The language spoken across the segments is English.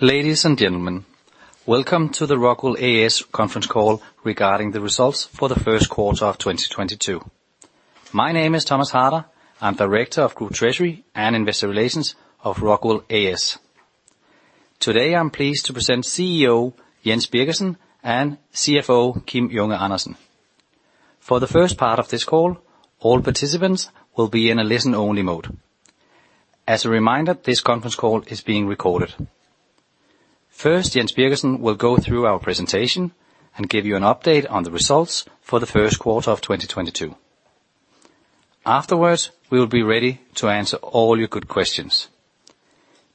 Ladies and gentlemen, welcome to the ROCKWOOL A/S conference call regarding the results for the first quarter of 2022. My name is Thomas Harder. I'm Director of Group Treasury and Investor Relations of ROCKWOOL A/S. Today, I'm pleased to present CEO Jens Birgersson and CFO Kim Junge Andersen. For the first part of this call, all participants will be in a listen only mode. As a reminder, this conference call is being recorded. First, Jens Birgersson will go through our presentation and give you an update on the results for the first quarter of 2022. Afterwards, we will be ready to answer all your good questions.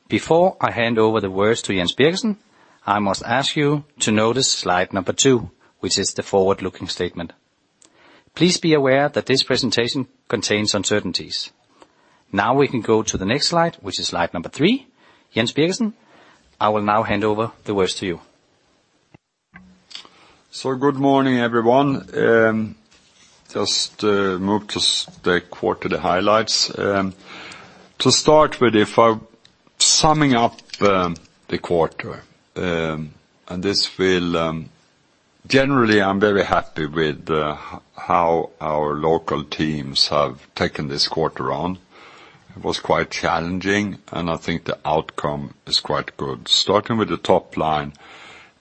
Before I hand over the words to Jens Birgersson, I must ask you to notice slide number two, which is the forward-looking statement. Please be aware that this presentation contains uncertainties. Now we can go to the next slide, which is slide number three. Jens Birgersson, I will now hand over the words to you. Good morning, everyone. Just move to the quarter, the highlights. To start with, if I'm summing up the quarter, and this will. Generally, I'm very happy with how our local teams have taken this quarter on. It was quite challenging, and I think the outcome is quite good. Starting with the top line,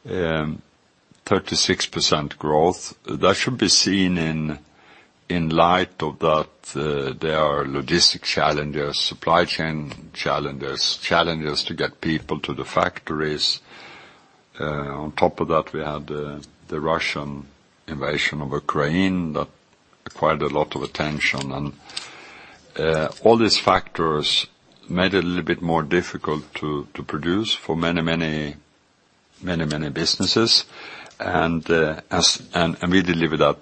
36% growth. That should be seen in light of that, there are logistic challenges, supply chain challenges to get people to the factories. On top of that, we had the Russian invasion of Ukraine. That required a lot of attention. All these factors made it a little bit more difficult to produce for many businesses. We delivered that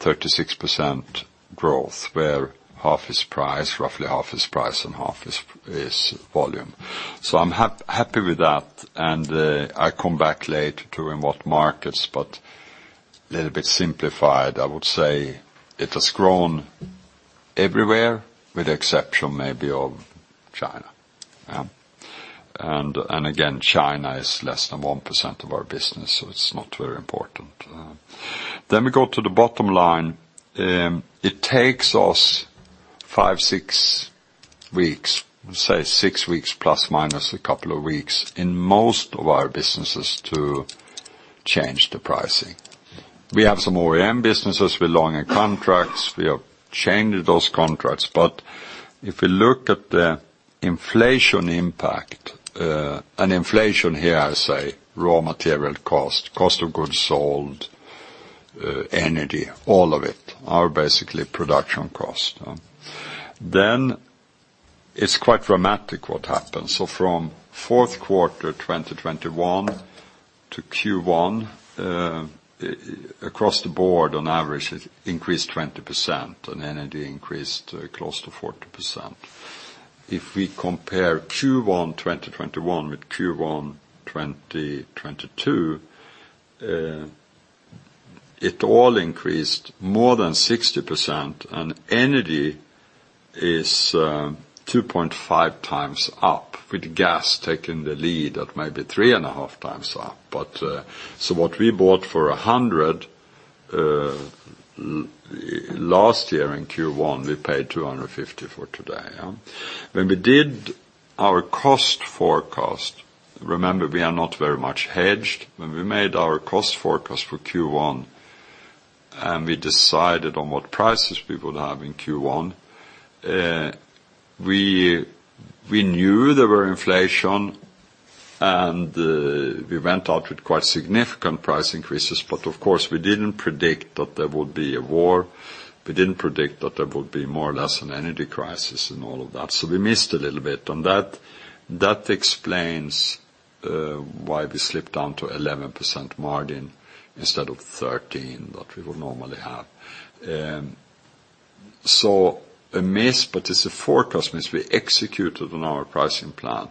36% growth, where half is price, roughly half is price and half is volume. I'm happy with that, I come back later to in what markets, but little bit simplified, I would say it has grown everywhere with the exception maybe of China. China is less than 1% of our business, so it's not very important. We go to the bottom line. It takes us five, six weeks, say six weeks plus minus a couple of weeks in most of our businesses to change the pricing. We have some OEM businesses with longer contracts. We have changed those contracts. If we look at the inflation impact, and inflation here, I say raw material cost of goods sold, energy, all of it, are basically production cost. It's quite dramatic what happened. From fourth quarter 2021 to Q1, across the board on average it increased 20% and energy increased close to 40%. If we compare Q1 2021 with Q1 2022, it all increased more than 60% and energy is 2.5x up with gas taking the lead at maybe 3.5x up. What we bought for 100 last year in Q1, we paid 250 for today, yeah. When we did our cost forecast, remember we are not very much hedged. When we made our cost forecast for Q1, and we decided on what prices we would have in Q1, we knew there were inflation and we went out with quite significant price increases. Of course, we didn't predict that there would be a war. We didn't predict that there would be more or less an energy crisis and all of that. We missed a little bit on that. That explains why we slipped down to 11% margin instead of 13% that we would normally have. A miss, but it's a forecast miss. We executed on our pricing plan.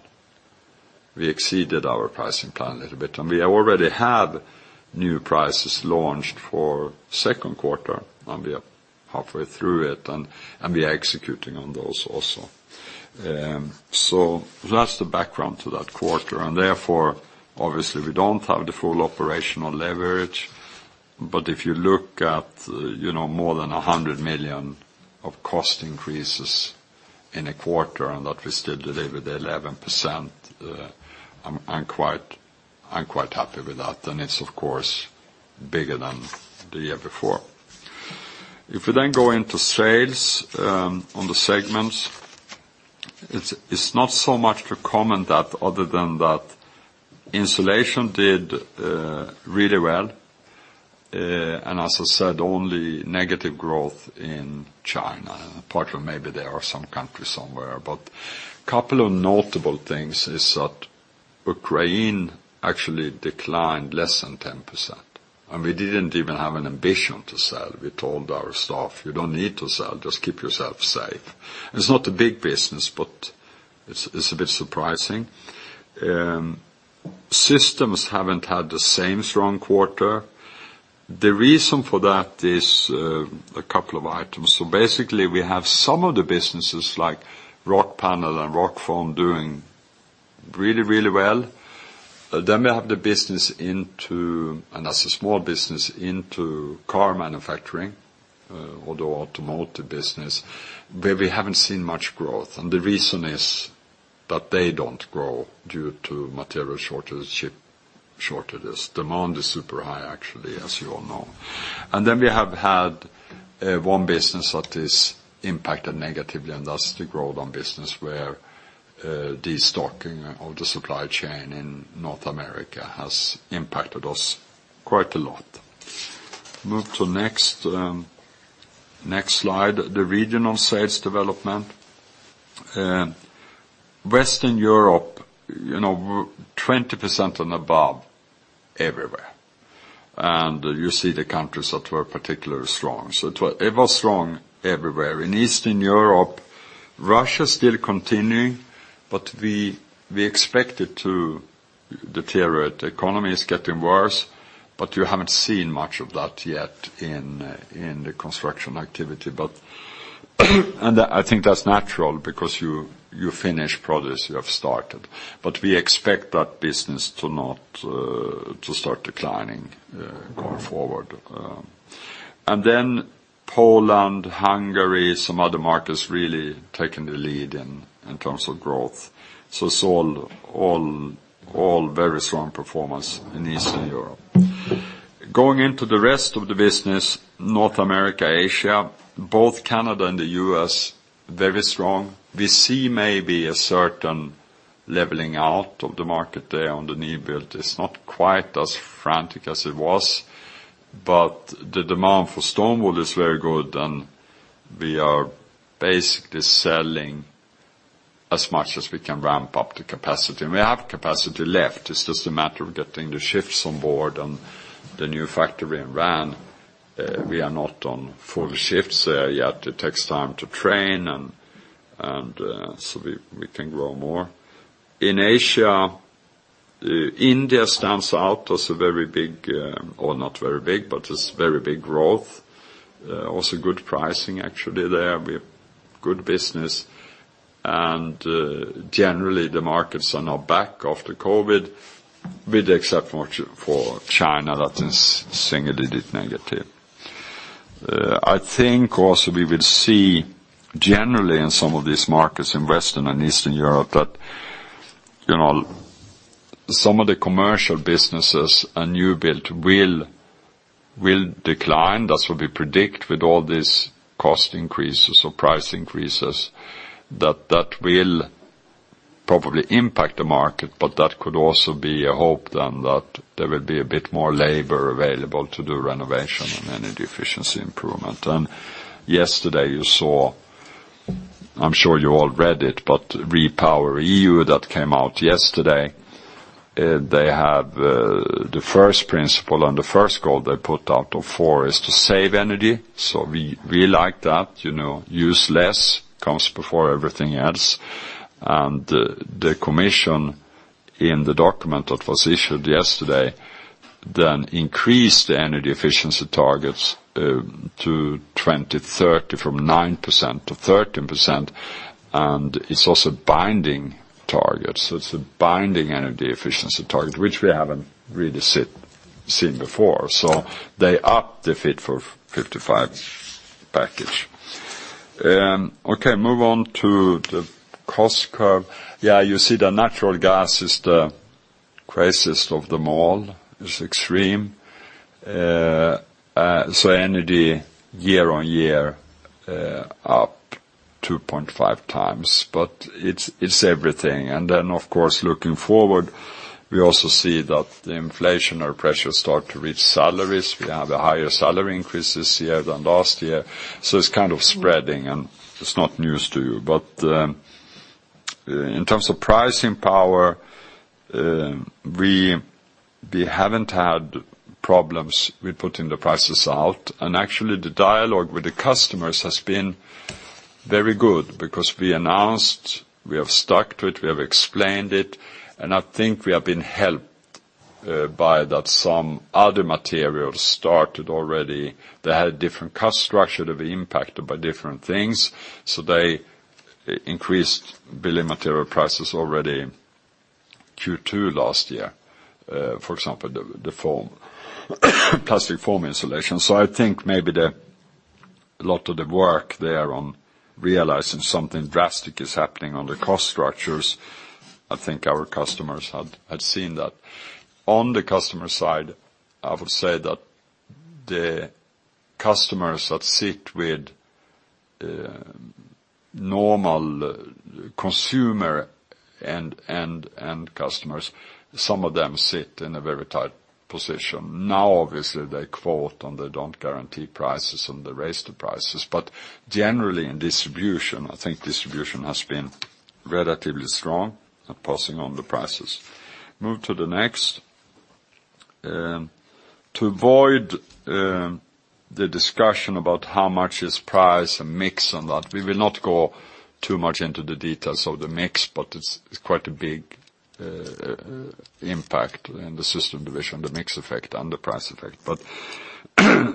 We exceeded our pricing plan a little bit. We already have new prices launched for second quarter, and we are halfway through it, and we are executing on those also. That's the background to that quarter. Therefore, obviously we don't have the full operational leverage. If you look at, you know, more than 100 million of cost increases in a quarter and that we still deliver the 11%, I'm quite happy with that. It's of course bigger than the year before. If we then go into sales on the segments, it's not so much to comment other than that insulation did really well. As I said, only negative growth in China, apart from maybe there are some countries somewhere. Couple of notable things is that Ukraine actually declined less than 10%. We didn't even have an ambition to sell. We told our staff, "You don't need to sell, just keep yourself safe." It's not a big business, but it's a bit surprising. Systems haven't had the same strong quarter. The reason for that is a couple of items. Basically we have some of the businesses like Rockpanel and Rockfon doing really, really well. We have the business, and that's a small business, into car manufacturing or the automotive business, where we haven't seen much growth. The reason is that they don't grow due to material shortages, chip shortages. Demand is super high, actually, as you all know. We have had one business that is impacted negatively, and thus the growth on business where destocking of the supply chain in North America has impacted us quite a lot. Move to next slide, the regional sales development. Western Europe, you know, 20% and above everywhere. You see the countries that were particularly strong. It was strong everywhere. In Eastern Europe, Russia is still continuing, but we expect it to deteriorate. The economy is getting worse, but you haven't seen much of that yet in the construction activity. I think that's natural because you finish projects you have started. We expect that business to start declining going forward. Poland, Hungary, some other markets really taking the lead in terms of growth. It's all very strong performance in Eastern Europe. Going into the rest of the business, North America, Asia, both Canada and the U.S., very strong. We see maybe a certain leveling out of the Market Day on the new build. It's not quite as frantic as it was, but the demand for stone wool is very good, and we are basically selling as much as we can ramp up the capacity. We have capacity left, it's just a matter of getting the shifts on board and the new factory in Ran. We are not on full shifts there yet. It takes time to train and so we can grow more. In Asia, India stands out as a very big, or not very big, but it's very big growth. Also good pricing, actually, there. We have good business. Generally the markets are now back after COVID, except for China, that is singularly negative. I think also we will see generally in some of these markets in Western and Eastern Europe that, you know, some of the commercial businesses and new build will decline. That's what we predict with all these cost increases or price increases, that will probably impact the market, but that could also be a hope then that there will be a bit more labor available to do renovation and energy efficiency improvement. Yesterday you saw, I'm sure you all read it, but REPowerEU that came out yesterday, they have the first principle and the first goal they put out of four is to save energy. We like that, you know, use less, comes before everything else. The commission in the document that was issued yesterday then increased the energy efficiency targets to 2030, from 9% to 13%. It's also binding targets. It's a binding energy efficiency target, which we haven't really seen before. They upped the Fit for 55 package. Okay, move on to the cost curve. Yeah, you see the natural gas is the crisis of them all. It's extreme. So energy year on year up 2.5x, but it's everything. Then of course, looking forward, we also see that the inflationary pressures start to reach salaries. We have higher salary increases this year than last year. It's kind of spreading and it's not news to you. But in terms of pricing power, we haven't had problems with putting the prices out. Actually the dialogue with the customers has been very good because we announced, we have stuck to it, we have explained it, and I think we have been helped by that some other materials started already. They had a different cost structure. They've been impacted by different things, so they increased building material prices already Q2 last year, for example, the foam plastic foam insulation. I think maybe a lot of the work there on realizing something drastic is happening on the cost structures. I think our customers had seen that. On the customer side, I would say that the customers that sit with normal consumer and end customers, some of them sit in a very tight position. Now, obviously, they quote and they don't guarantee prices, and they raise the prices. Generally in distribution, I think distribution has been relatively strong at passing on the prices. Move to the next. To avoid the discussion about how much is price and mix on that, we will not go too much into the details of the mix, but it's quite a big impact in the system division, the mix effect and the price effect.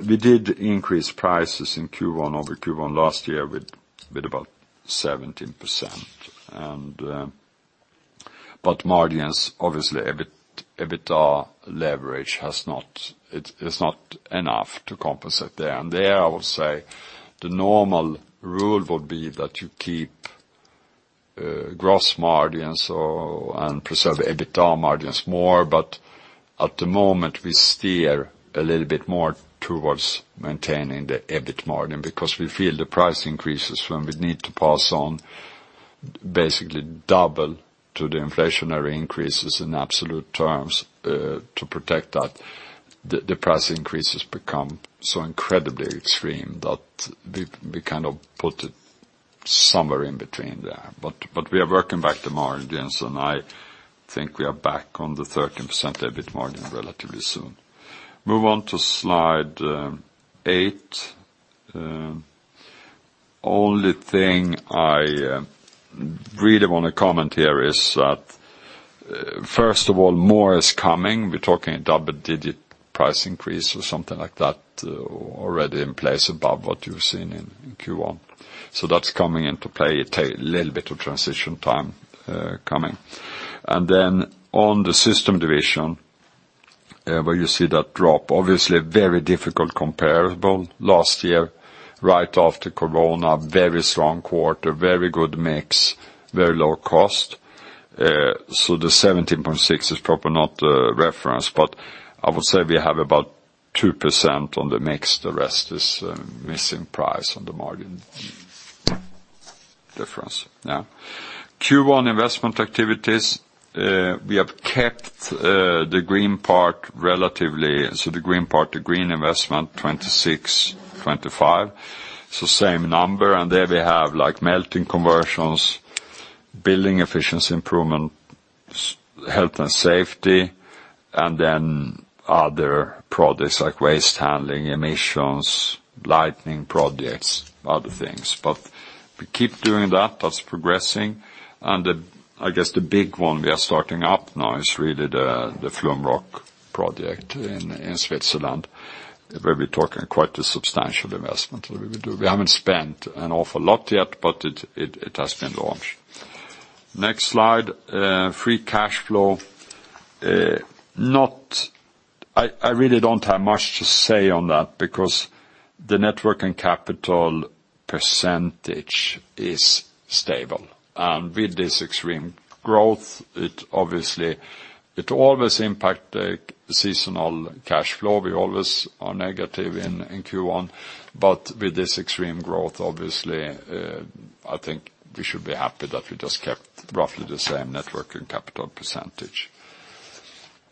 We did increase prices in Q1 over Q1 last year with about 17% and but margins, obviously, EBITDA leverage has not. It's not enough to compensate there. There, I would say the normal rule would be that you keep gross margins or and preserve EBITDA margins more. At the moment, we steer a little bit more towards maintaining the EBIT margin because we feel the price increases when we need to pass on basically double to the inflationary increases in absolute terms to protect that. The price increases become so incredibly extreme that we kind of put it somewhere in between there. We are working back the margins, and I think we are back on the 13% EBIT margin relatively soon. Move on to slide eight. Only thing I really wanna comment here is that first of all, more is coming. We're talking a double-digit price increase or something like that already in place above what you've seen in Q1. So that's coming into play. It takes a little bit of transition time coming. On the system division, where you see that drop, obviously very difficult comparable last year, right after corona, very strong quarter, very good mix, very low cost. The 17.6% is probably not the reference, but I would say we have about 2% on the mix. The rest is missing price on the margin difference. Now, Q1 investment activities, we have kept the green part relatively, so the green part, the green investment, 26, 25. So same number, and there we have, like, melting conversions, building efficiency improvement, health and safety, and then other products like waste handling, emissions, lighting projects, other things. We keep doing that. That's progressing. I guess the big one we are starting up now is really the Flumroc project in Switzerland, where we're talking quite a substantial investment. We do. We haven't spent an awful lot yet, but it has been launched. Next slide, free cash flow. I really don't have much to say on that because the net working capital percentage is stable. With this extreme growth, it obviously always impacts the seasonal cash flow. We always are negative in Q1. With this extreme growth, obviously, I think we should be happy that we just kept roughly the same net working capital percentage.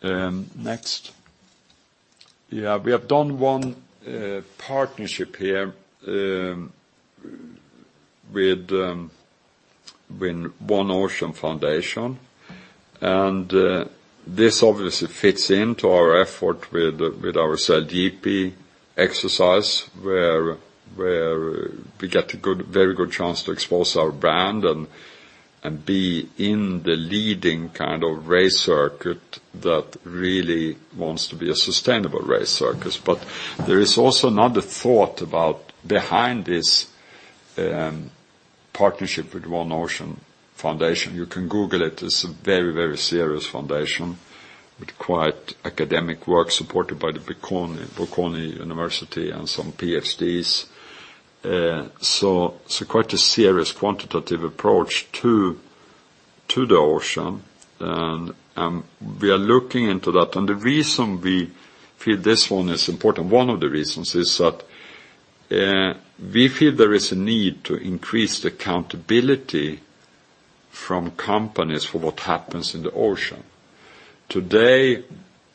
Next. We have done one partnership here with One Ocean Foundation. This obviously fits into our effort with our SailGP exercise, where we get a very good chance to expose our brand and be in the leading kind of race circuit that really wants to be a sustainable race circuit. There is also another thought behind this partnership with One Ocean Foundation. You can Google it. It's a very, very serious foundation with quite academic work supported by the Bocconi University and some PhDs. So quite a serious quantitative approach to the ocean, and we are looking into that. The reason we feel this one is important, one of the reasons, is that we feel there is a need to increase the accountability from companies for what happens in the ocean. Today,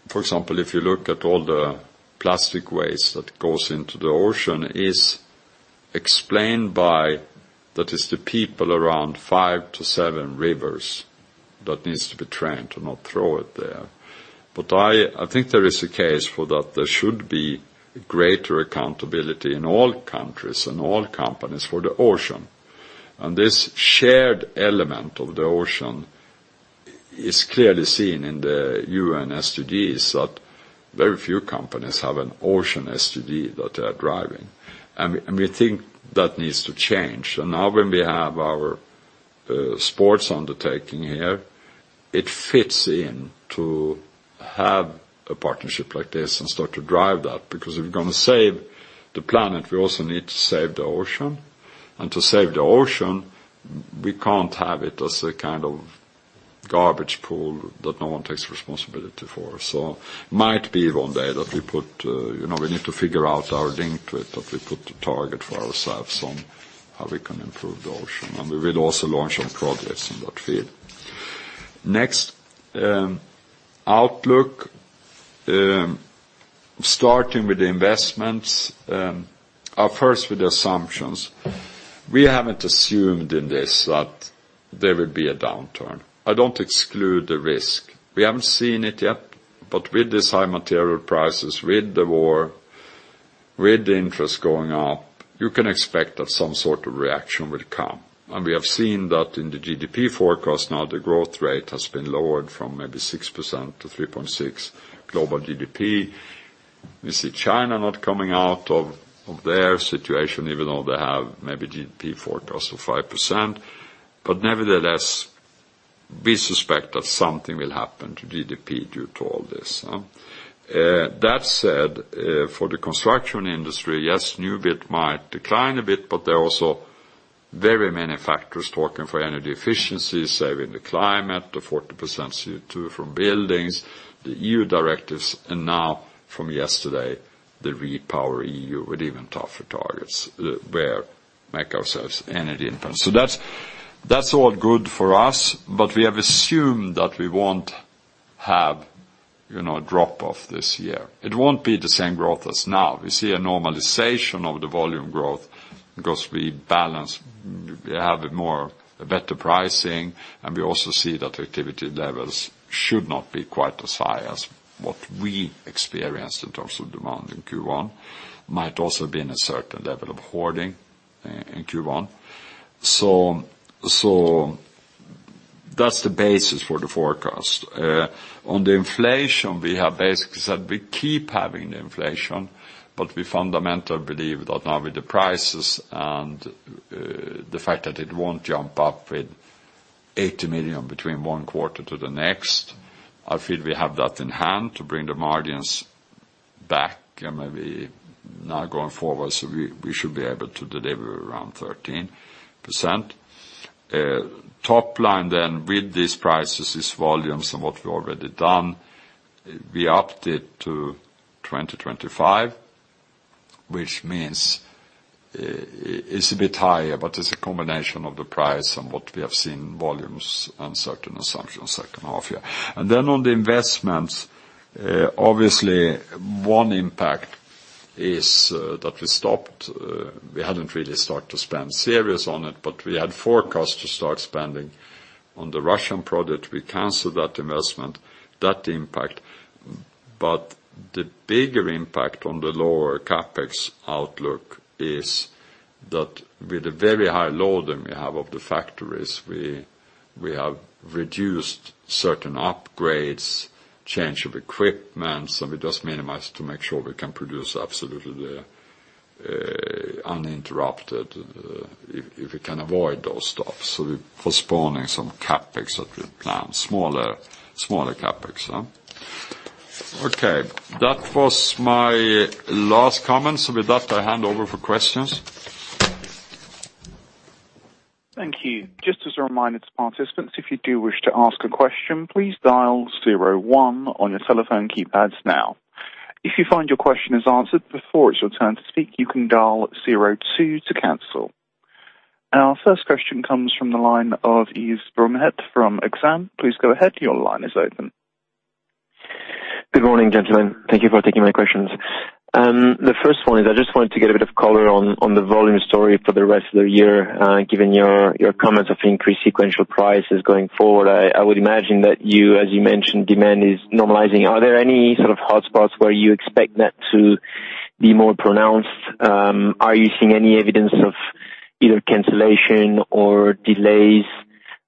for example, if you look at all the plastic waste that goes into the ocean is explained by, that is the people around five to seven rivers that needs to be trained to not throw it there. I think there is a case for that there should be greater accountability in all countries and all companies for the ocean. This shared element of the ocean is clearly seen in the UN SDGs, that very few companies have an ocean SDG that they are driving. We think that needs to change. Now when we have our sports undertaking here, it fits in to have a partnership like this and start to drive that, because if we're gonna save the planet, we also need to save the ocean. To save the ocean, we can't have it as a kind of garbage pool that no one takes responsibility for. Might be one day that we put, we need to figure out our link to it, that we put a target for ourselves on how we can improve the ocean. We will also launch some progress in that field. Next, outlook. Starting with the investments, or first with the assumptions. We haven't assumed in this that there will be a downturn. I don't exclude the risk. We haven't seen it yet, but with this high material prices, with the war, with the interest going up, you can expect that some sort of reaction will come. We have seen that in the GDP forecast. Now the growth rate has been lowered from maybe 6% to 3.6% global GDP. We see China not coming out of their situation, even though they have maybe GDP forecast of 5%. Nevertheless, we suspect that something will happen to GDP due to all this. That said, for the construction industry, yes, new build might decline a bit, but there are also very many factors talking for energy efficiency, saving the climate, the 40% CO2 from buildings, the EU directives, and now from yesterday, the REPowerEU with even tougher targets which makes us energy independent. That's all good for us, but we have assumed that we won't have a drop-off this year. It won't be the same growth as now. We see a normalization of the volume growth because we balance, we have a better pricing, and we also see that the activity levels should not be quite as high as what we experienced in terms of demand in Q1. Might also be in a certain level of hoarding in Q1. That's the basis for the forecast. On the inflation, we have basically said we keep having the inflation, but we fundamentally believe that now with the prices and the fact that it won't jump up with 80 million between one quarter to the next, I feel we have that in hand to bring the margins back, maybe now going forward. We should be able to deliver around 13%. Top line then with these prices, these volumes, and what we've already done, we upped it to 2025, which means it's a bit higher, but it's a combination of the price and what we have seen volumes and certain assumptions second half year. On the investments, obviously one impact is that we hadn't really started to spend seriously on it, but we had forecast to start spending on the Russian project. We canceled that investment, that impact. The bigger impact on the lower CapEx outlook is that with the very high load that we have on the factories, we have reduced certain upgrades, change of equipment, so we just minimize to make sure we can produce absolutely uninterrupted, if we can avoid those stops. We're postponing some CapEx that we've planned, smaller CapEx. Okay, that was my last comments. With that, I hand over for questions. Thank you. Just as a reminder to participants, if you do wish to ask a question, please dial zero one on your telephone keypads now. If you find your question is answered before it's your turn to speak, you can dial zero two to cancel. Our first question comes from the line of Yves Bromehead from Exane. Please go ahead, your line is open. Good morning, gentlemen. Thank you for taking my questions. The first one is I just wanted to get a bit of color on the volume story for the rest of the year, given your comments of increased sequential prices going forward. I would imagine that you, as you mentioned, demand is normalizing. Are there any sort of hotspots where you expect that to be more pronounced? Are you seeing any evidence of either cancellation or delays?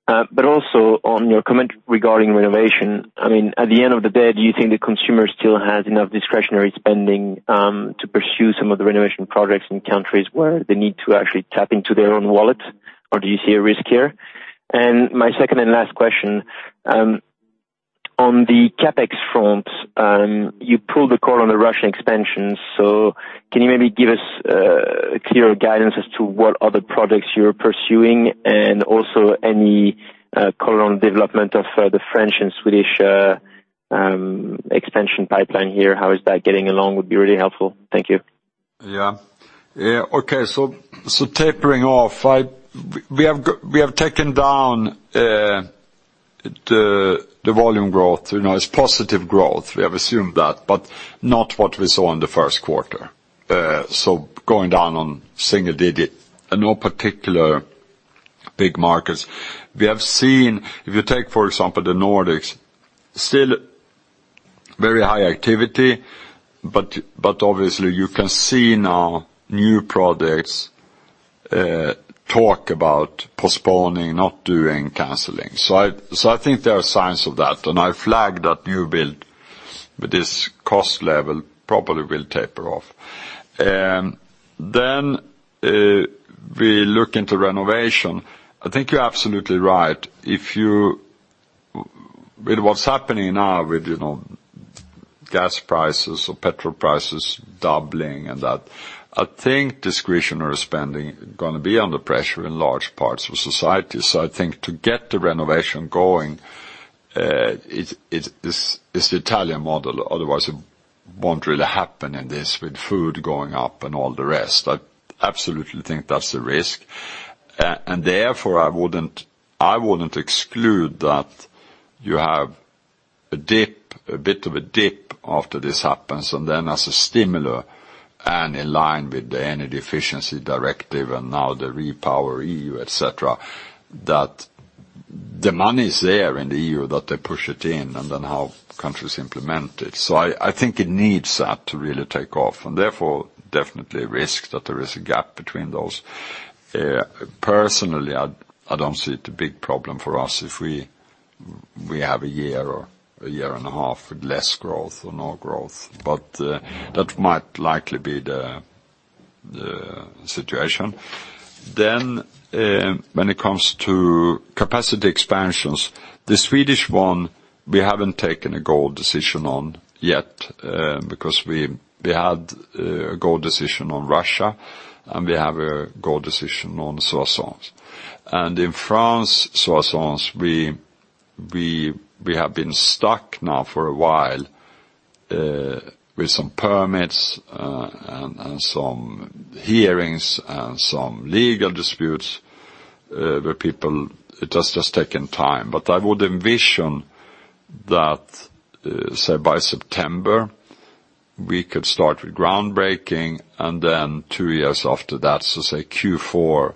Also on your comment regarding renovation, I mean, at the end of the day, do you think the consumer still has enough discretionary spending to pursue some of the renovation projects in countries where they need to actually tap into their own wallet? Or do you see a risk here? My second and last question, on the CapEx front, you pulled the call on the Russian expansion, so can you maybe give us a clearer guidance as to what other projects you're pursuing and also any color on development of the French and Swedish expansion pipeline here? How is that getting along would be really helpful. Thank you. Tapering off. We have taken down the volume growth. You know, it's positive growth. We have assumed that, but not what we saw in the first quarter. Going down to single-digit and no particular big markets. We have seen, if you take, for example, the Nordics, still very high activity, but obviously you can see now new projects talk about postponing, not doing, canceling. I think there are signs of that. I flagged that new build with this cost level probably will taper off. We look into renovation. I think you're absolutely right. With what's happening now with, you know, gas prices or petrol prices doubling and that, I think discretionary spending gonna be under pressure in large parts of society. I think to get the renovation going, this is the Italian model. Otherwise it won't really happen in this with food going up and all the rest. I absolutely think that's a risk. Therefore, I wouldn't exclude that you have a dip, a bit of a dip after this happens, and then as a stimulus and in line with the Energy Efficiency Directive and now the REPowerEU, et cetera, that the money is there in the EU, that they push it in and then how countries implement it. I think it needs that to really take off, and therefore definitely a risk that there is a gap between those. Personally, I don't see it as a big problem for us if we have a year or a year and a half with less growth or no growth. That might likely be the situation. When it comes to capacity expansions, the Swedish one, we haven't taken a go decision on yet, because we had a go decision on Russia, and we have a go decision on Soissons. In France, Soissons, we have been stuck now for a while with some permits, and some hearings and some legal disputes. It has just taken time. I would envision that, say by September, we could start with groundbreaking and then two years after that, so say Q4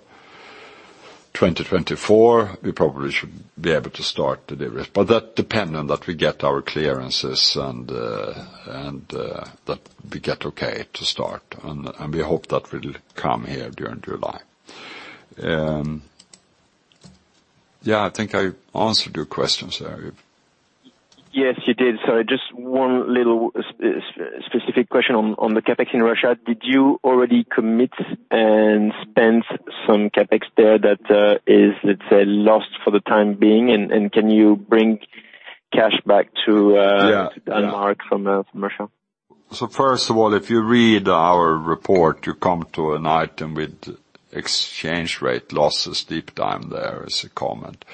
2024, we probably should be able to start deliveries. That depends on that we get our clearances and that we get okay to start, and we hope that will come here during July. Yeah, I think I answered your question, Sir. Yes, you did. Sorry, just one little specific question on the CapEx in Russia. Did you already commit and spend some CapEx there that is, let's say, lost for the time being? Can you bring cash back to Denmark from Russia? First of all, if you read our report, you come to an item with exchange rate losses. Deep down there is a comment.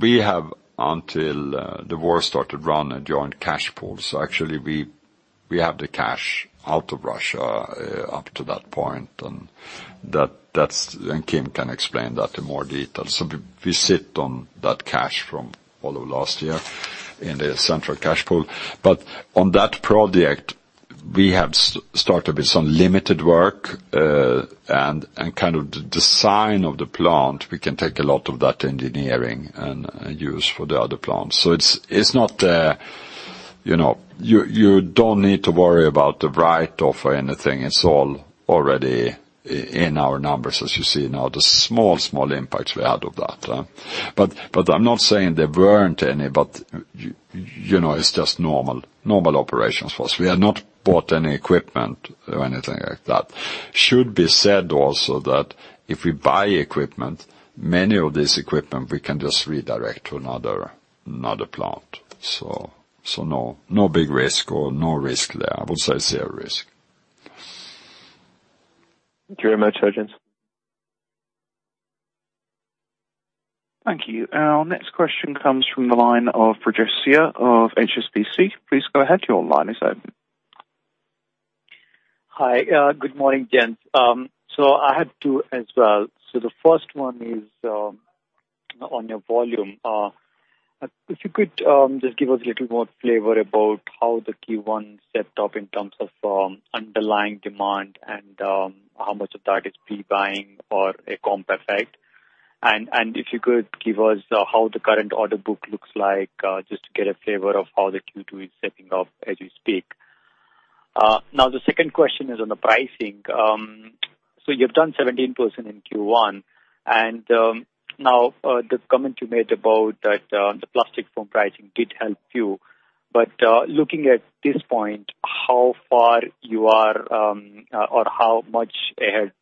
We have until the war started run a joint cash pool. Actually we have the cash out of Russia up to that point, and that's. Kim can explain that in more detail. We sit on that cash from all of last year in the central cash pool. But on that project, we have started with some limited work, and kind of the design of the plant, we can take a lot of that engineering and use for the other plants. It's not, you know. You don't need to worry about the write-off or anything. It's all already in our numbers, as you see now, the small impacts we had of that. I'm not saying there weren't any, but you know, it's just normal operations for us. We have not bought any equipment or anything like that. Should be said also that if we buy equipment, many of this equipment we can just redirect to another plant. No big risk or no risk there. I would say zero risk. Thank you very much, Jens. Thank you. Our next question comes from the line of Brijesh Siya of HSBC. Please go ahead. Your line is open. Hi. Good morning, gents. I have two as well. The first one is on your volume. If you could just give us a little more flavor about how the Q1 stepped up in terms of underlying demand and how much of that is pre-buying or a comp effect. If you could give us how the current order book looks like just to get a flavor of how the Q2 is setting up as we speak. Now the second question is on the pricing. You've done 17% in Q1, and now the comment you made about that, the plastic film pricing did help you. Looking at this point, how far you are or how much ahead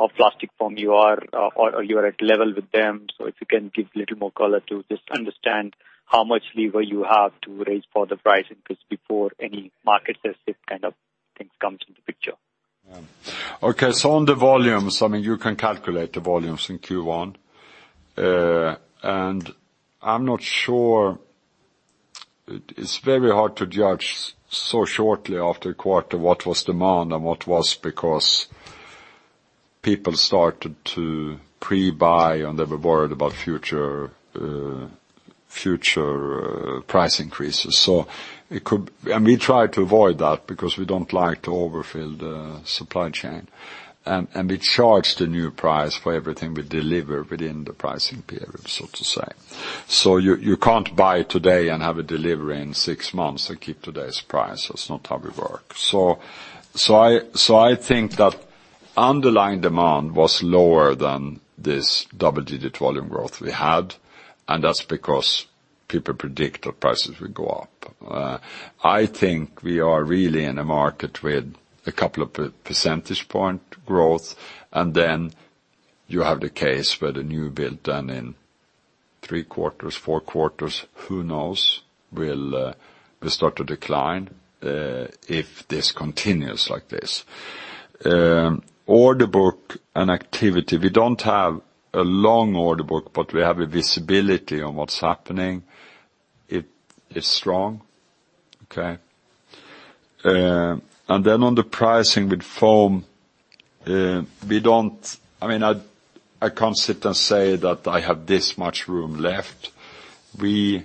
of plastic film you are, or you are at level with them? If you can give a little more color to just understand how much lever you have to raise for the pricing, 'cause before any market recession kind of things comes into the picture. Okay. On the volumes, I mean, you can calculate the volumes in Q1. I'm not sure. It's very hard to judge so shortly after a quarter what was demand and what was because people started to pre-buy and they were worried about future price increases. It could. We try to avoid that because we don't like to overfill the supply chain. We charge the new price for everything we deliver within the pricing period, so to say. You can't buy today and have a delivery in six months and keep today's price. That's not how we work. I think that underlying demand was lower than this double-digit volume growth we had, and that's because people predict that prices will go up. I think we are really in a market with a couple of percentage point growth, and then you have the case where the new build done in three quarters, four quarters, who knows, will start to decline if this continues like this. Order book and activity. We don't have a long order book, but we have a visibility on what's happening. It is strong, okay? On the pricing with foam, I mean, I can't sit and say that I have this much room left. We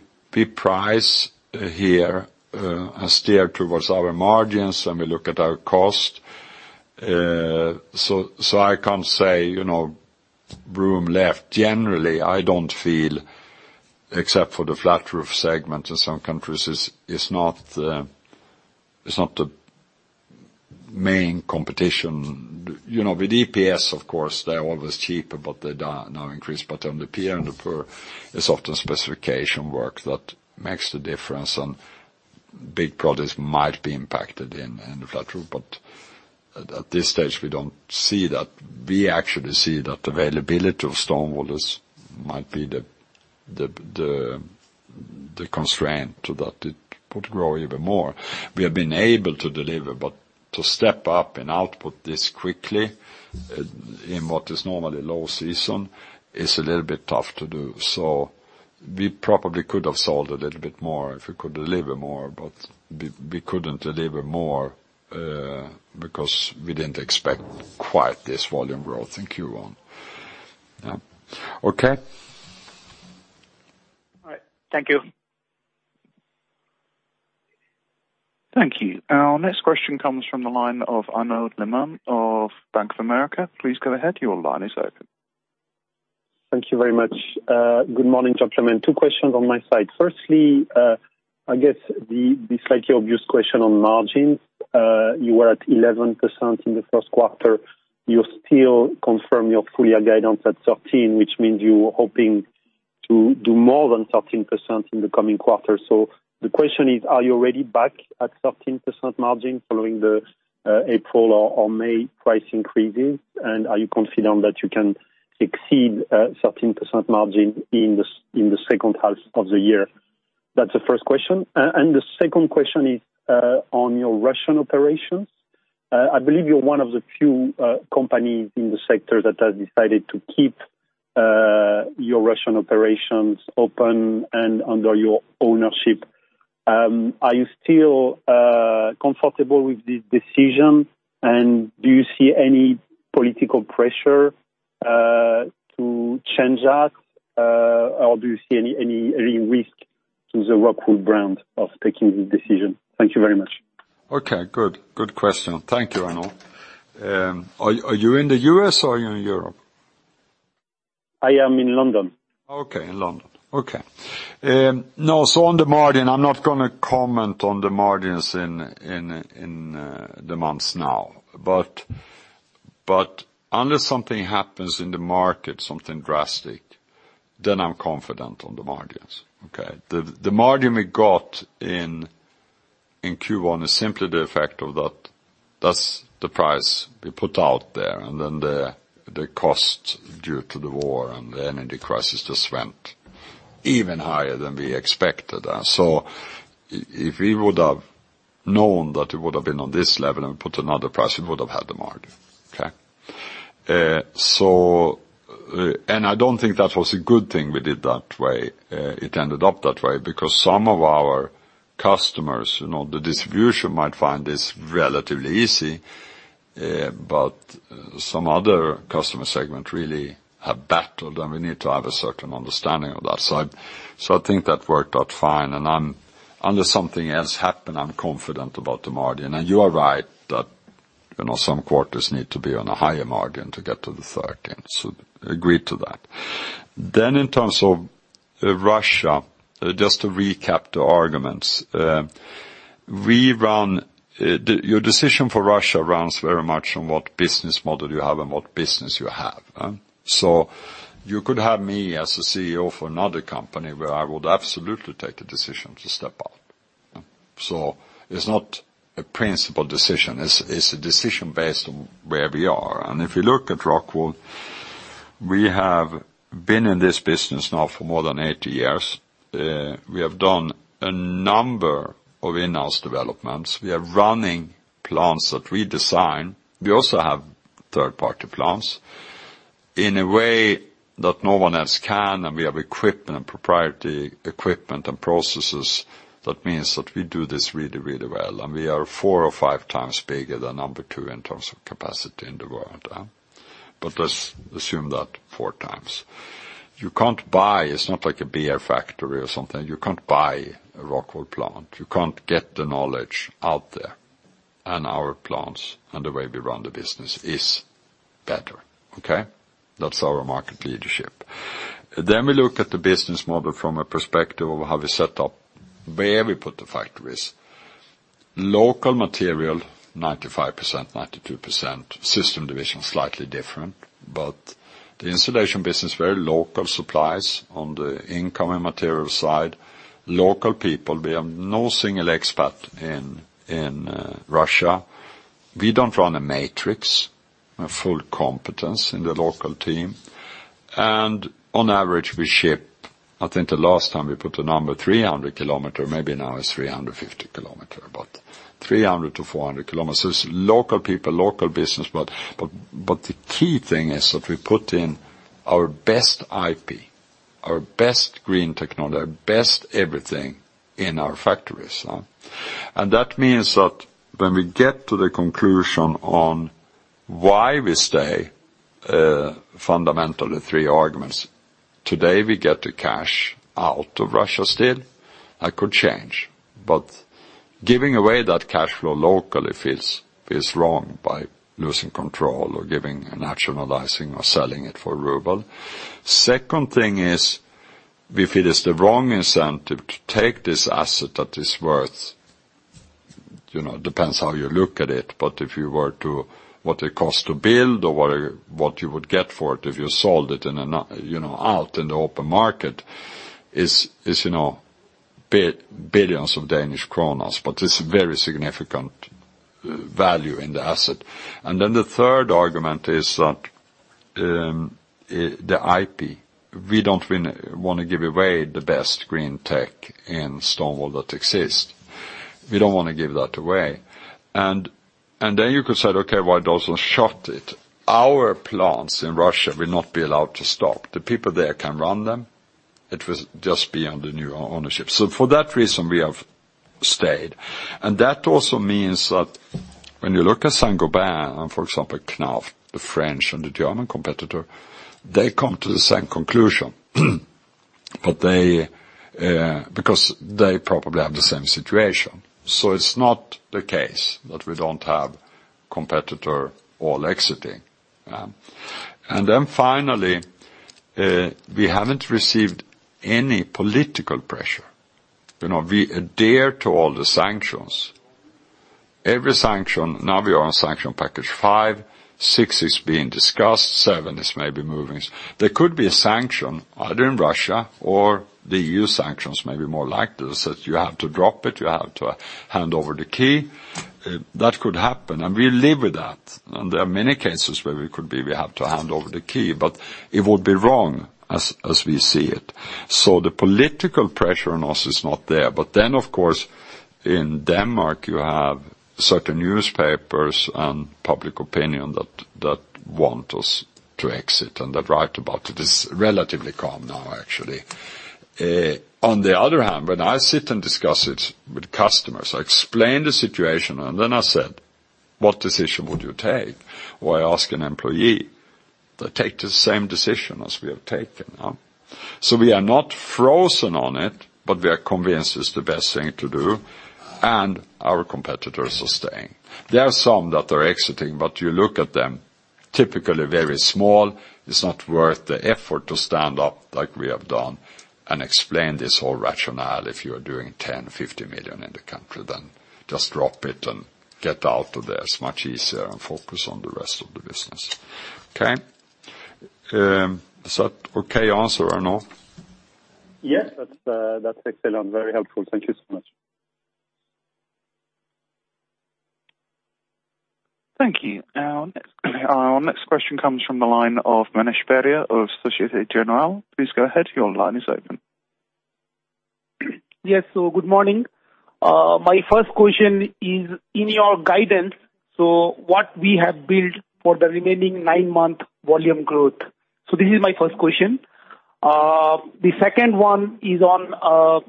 price here and steer towards our margins, and we look at our cost. I can't say, you know, room left. Generally, I don't feel, except for the flat roof segment in some countries, it's not the main competition. You know, with EPS, of course, they're always cheaper, but they now increase. On the PIR and the PUR, it's often specification work that makes the difference, and big projects might be impacted in the flat roof. At this stage, we don't see that. We actually see that availability of stone wool might be the constraint to that. It could grow even more. We have been able to deliver, but to step up an output this quickly in what is normally low season is a little bit tough to do. We probably could have sold a little bit more if we could deliver more, but we couldn't deliver more because we didn't expect quite this volume growth in Q1. Yeah. Okay? All right. Thank you. Thank you. Our next question comes from the line of Arnaud Lehmann of Bank of America. Please go ahead. Your line is open. Thank you very much. Good morning, gentlemen. Two questions on my side. Firstly, I guess the slightly obvious question on margins. You were at 11% in the first quarter. You still confirm your full year guidance at 13%, which means you were hoping to do more than 13% in the coming quarters. The question is, are you already back at 13% margin following the April or May price increases? Are you confident that you can exceed 13% margin in the second half of the year? That's the first question. The second question is on your Russian operations. I believe you're one of the few companies in the sector that has decided to keep your Russian operations open and under your ownership. Are you still comfortable with this decision? Do you see any political pressure to change that? Do you see any risk to the ROCKWOOL brand of taking this decision? Thank you very much. Okay. Good. Good question. Thank you, Arnaud. Are you in the U.S. or are you in Europe? I am in London. Okay. In London. Okay. Now, on the margin, I'm not gonna comment on the margins in the months now, but unless something happens in the market, something drastic, then I'm confident on the margins. Okay. The margin we got in Q1 is simply the effect of that's the price we put out there, and then the cost due to the war and the energy crisis just went even higher than we expected. If we would have known that it would have been on this level and put another price, we would have had the margin. Okay. I don't think that was a good thing we did that way, it ended up that way, because some of our customers, you know, the distribution might find this relatively easy, but some other customer segment really have battled, and we need to have a certain understanding of that side. I think that worked out fine. Unless something else happen, I'm confident about the margin. You are right that, you know, some quarters need to be on a higher margin to get to the 13%, so agree to that. In terms of Russia, just to recap the arguments, your decision for Russia runs very much on what business model you have and what business you have. You could have me as a CEO for another company where I would absolutely take a decision to step up. It's not a principled decision. It's a decision based on where we are. If you look at ROCKWOOL, we have been in this business now for more than 80 years. We have done a number of in-house developments. We are running plants that we design. We also have third-party plants in a way that no one else can, and we have equipment and proprietary equipment and processes that means that we do this really, really well. We are 4x or 5x bigger than number two in terms of capacity in the world. Let's assume tha 4x. You can't buy. It's not like a beer factory or something. You can't buy a ROCKWOOL plant. You can't get the knowledge out there. Our plants and the way we run the business is better, okay? That's our market leadership. We look at the business model from a perspective of how we set up where we put the factories. Local material, 95%, 92%. System division, slightly different. The installation business, very local supplies on the incoming material side. Local people, we have no single expat in Russia. We don't run a matrix. A full competence in the local team. On average, we ship, I think the last time we put a number, 300 km, maybe now it's 350 km, but 300-400 km. Local people, local business, but the key thing is that we put in our best IP, our best green technology, our best everything in our factories. That means that when we get to the conclusion on why we stay fundamental, the three arguments. Today, we get the cash out of Russia still. It could change. Giving away that cash flow locally feels wrong by losing control or giving and nationalizing or selling it for ruble. Second thing is, we feel it's the wrong incentive to take this asset that is worth, you know, depends how you look at it, but if you were to what it cost to build or what you would get for it if you sold it, you know, out in the open market is, you know, billions of Danish kroner. It's very significant value in the asset. Then the third argument is that the IP. We don't wanna give away the best green tech in stone wool that exists. We don't wanna give that away. Then you could say, "Okay, why don't you shut it?" Our plants in Russia will not be allowed to stop. The people there can run them, it will just be under new ownership. For that reason, we have stayed. That also means that when you look at Saint-Gobain and for example, Knauf, the French and the German competitor, they come to the same conclusion. They, because they probably have the same situation. It's not the case that we don't have competitors all exiting. Finally, we haven't received any political pressure. You know, we adhere to all the sanctions. Every sanction, now we are on sanction package five, six is being discussed, seven is maybe moving. There could be a sanction either in Russia or the EU sanctions maybe more likely, that says you have to drop it, you have to hand over the key. That could happen, and we live with that. There are many cases where we could be, we have to hand over the key, but it would be wrong as we see it. The political pressure on us is not there. Of course, in Denmark, you have certain newspapers and public opinion that want us to exit, and they write about it. It's relatively calm now, actually. On the other hand, when I sit and discuss it with customers, I explain the situation and then I said, "What decision would you take?" Or I ask an employee. They take the same decision as we have taken. We are not frozen on it, but we are convinced it's the best thing to do, and our competitors are staying. There are some that are exiting, but you look at them, typically very small. It's not worth the effort to stand up like we have done and explain this whole rationale if you are doing 10 million, 50 million in the country, then just drop it and get out of there. It's much easier and focus on the rest of the business. Okay? Is that an okay answer or no? Yes, that's excellent. Very helpful. Thank you so much. Thank you. Our next question comes from the line of Manish Beria of Société Générale. Please go ahead, your line is open. Yes. Good morning. My first question is in your guidance, what we have built for the remaining nine-month volume growth. This is my first question. The second one is on,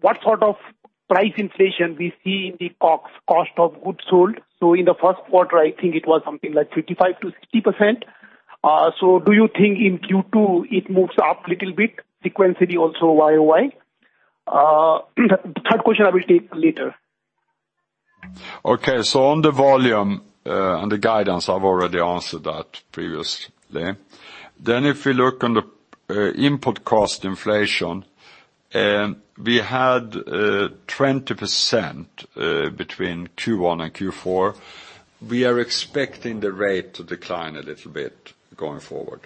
what sort of price inflation we see in the COGS, cost of goods sold. In the first quarter, I think it was something like 55%-60%. Do you think in Q2 it moves up little bit, sequentially also Y-o-Y? The third question I will take later. Okay. On the volume, and the guidance, I've already answered that previously. If you look on the input cost inflation, we had 20% between Q1 and Q4. We are expecting the rate to decline a little bit going forward.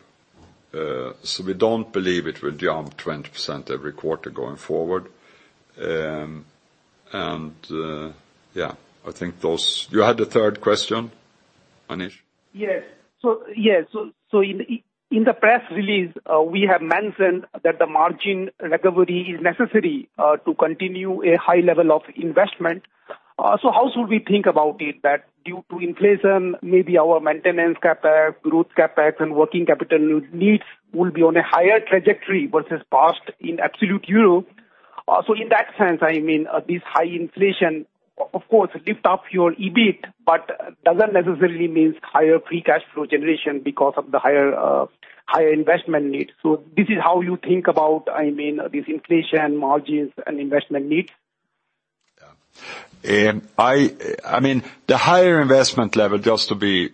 We don't believe it will jump 20% every quarter going forward. I think those. You had a third question, Manish? Yes. In the press release, we have mentioned that the margin recovery is necessary to continue a high level of investment. How should we think about it that due to inflation, maybe our maintenance CapEx, growth CapEx, and working capital needs will be on a higher trajectory versus past in absolute euro? In that sense, I mean, this high inflation of course lift up your EBIT, but doesn't necessarily means higher free cash flow generation because of the higher investment needs. This is how you think about, I mean, this inflation margins and investment needs? I mean, the higher investment level, just to be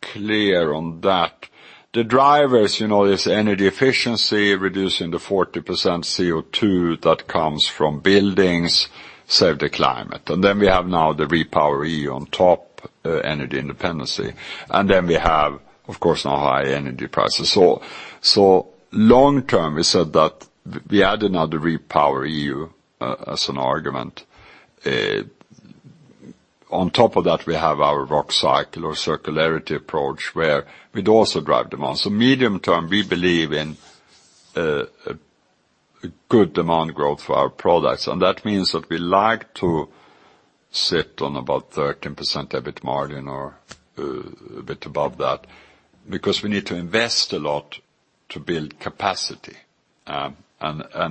clear on that, the drivers, you know, is energy efficiency, reducing the 40% CO2 that comes from buildings, save the climate. Then we have now the REPowerEU on top, energy independency. Then we have, of course, now high energy prices. Long-term, we said that we added now the REPowerEU as an argument. On top of that, we have our Rockcycle or circularity approach where it also drive demand. Medium-term, we believe in good demand growth for our products. That means that we like to sit on about 13% EBIT margin or a bit above that, because we need to invest a lot to build capacity, and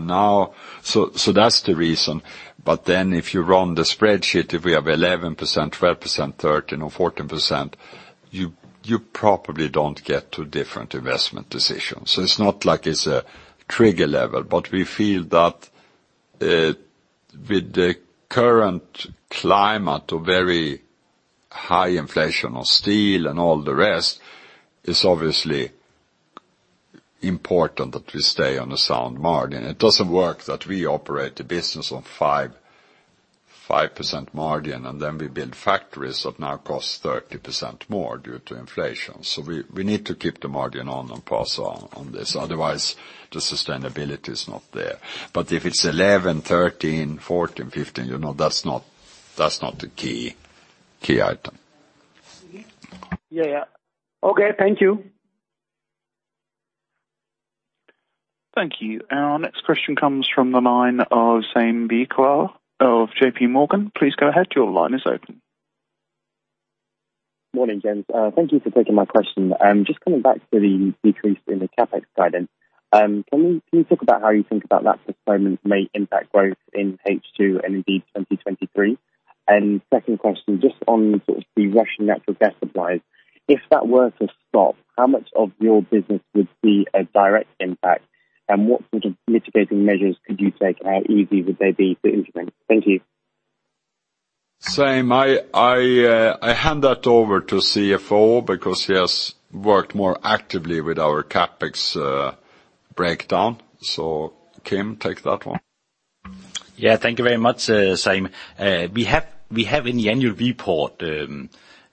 now. That's the reason, but then if you run the spreadsheet, if we have 11%, 12%, 13% or 14%, you probably don't get two different investment decisions. It's not like it's a trigger level, but we feel that with the current climate of very high inflation on steel and all the rest, it's obviously important that we stay on a sound margin. It doesn't work that we operate the business on 5% margin, and then we build factories that now cost 30% more due to inflation. We need to keep the margin on and pass on this. Otherwise, the sustainability is not there. If it's 11%, 13%, 14%, 15%, you know, that's not the key item. Yeah. Okay. Thank you. Thank you. Our next question comes from the line of Zaim Beekawa of JPMorgan. Please go ahead. Your line is open. Morning, Jens. Thank you for taking my question. Just coming back to the decrease in the CapEx guidance, can you talk about how you think about that postponement may impact growth in H2 and indeed 2023? Second question, just on sort of the Russian natural gas supplies, if that were to stop, how much of your business would see a direct impact? What sort of mitigating measures could you take? How easy would they be to implement? Thank you. Zaim, I hand that over to CFO because he has worked more actively with our CapEx breakdown. Kim, take that one. Yeah. Thank you very much, Zaim. We have in the annual report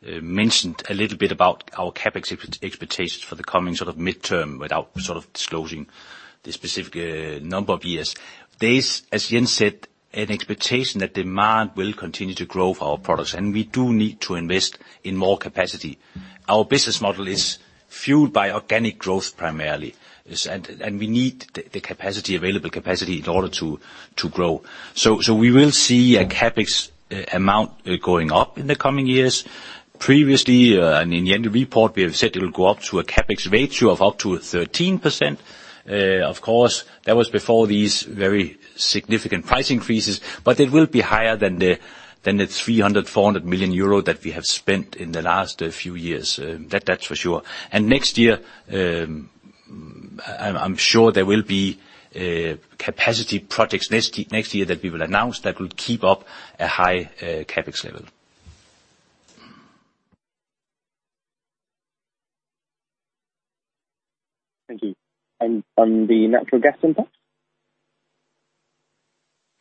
mentioned a little bit about our CapEx expectations for the coming sort of midterm without sort of disclosing the specific number of years. There is, as Jens said, an expectation that demand will continue to grow for our products, and we do need to invest in more capacity. Our business model is fueled by organic growth primarily, yes, and we need the available capacity in order to grow. We will see a CapEx amount going up in the coming years. Previously, and in the annual report, we have said it will go up to a CapEx ratio of up to 13%. Of course, that was before these very significant price increases, but it will be higher than the 300 million euro, 400 million euro that we have spent in the last few years. That's for sure. Next year, I'm sure there will be capacity projects next year that we will announce that will keep up a high CapEx level. Thank you. On the natural gas impact?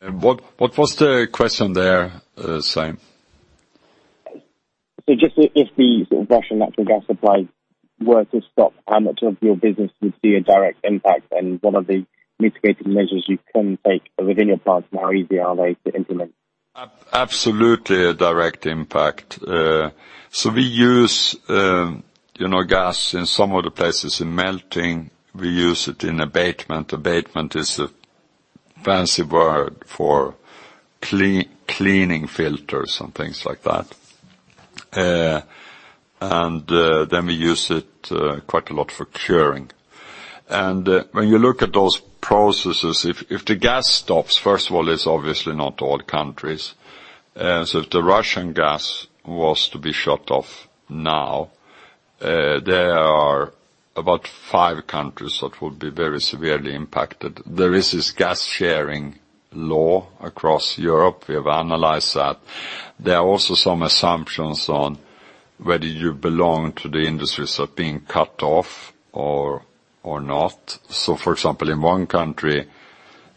What was the question there, Zaim? Just if the Russian natural gas supply were to stop, how much of your business would see a direct impact? What are the mitigating measures you can take within your plants, and how easy are they to implement? Absolutely a direct impact. We use gas in some of the places in melting. We use it in abatement. Abatement is a fancy word for cleaning filters and things like that. Then we use it quite a lot for curing. When you look at those processes, if the gas stops, first of all, it's obviously not all countries. If the Russian gas was to be shut off now, there are about five countries that will be very severely impacted. There is this gas-sharing law across Europe. We have analyzed that. There are also some assumptions on whether you belong to the industries that are being cut off or not. For example, in one country,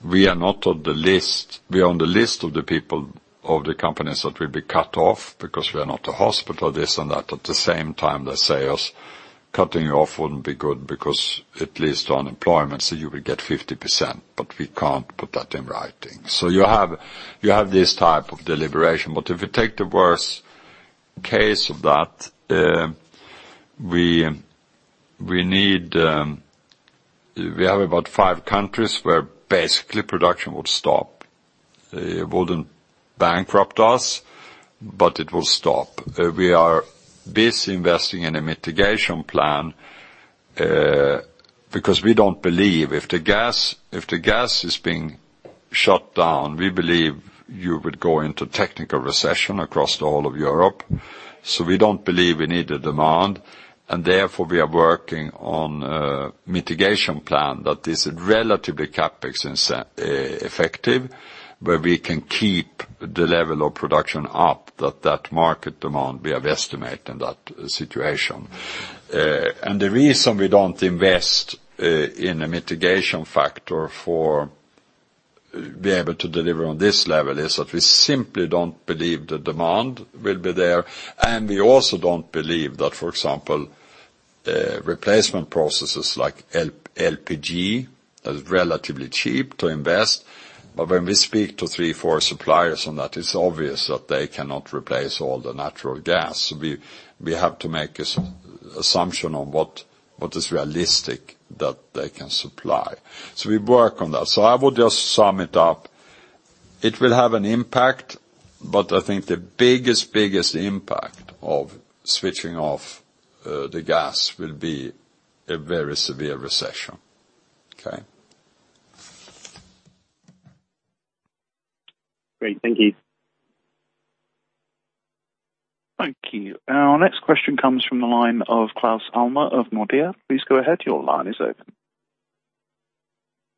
we are not on the list. We're on the list of the people, of the companies that will be cut off because we are not a hospital, this and that. At the same time, they say us cutting off wouldn't be good because it leads to unemployment, so you will get 50%, but we can't put that in writing. You have this type of deliberation. If you take the worst case of that, we have about five countries where basically production would stop. It wouldn't bankrupt us, but it will stop. We are busy investing in a mitigation plan, because we don't believe if the gas is being shut down, we believe you would go into technical recession across the whole of Europe. We don't believe we need the demand, and therefore, we are working on a mitigation plan that is relatively CapEx effective, where we can keep the level of production up that market demand we have estimated in that situation. The reason we don't invest in a mitigation factor to be able to deliver on this level is that we simply don't believe the demand will be there. We also don't believe that, for example, replacement processes like LPG is relatively cheap to invest. When we speak to three, four suppliers on that, it's obvious that they cannot replace all the natural gas. We have to make assumption on what is realistic that they can supply. We work on that. I would just sum it up. It will have an impact, but I think the biggest impact of switching off the gas will be a very severe recession. Okay? Great. Thank you. Thank you. Our next question comes from the line of Claus Almer of Nordea. Please go ahead. Your line is open.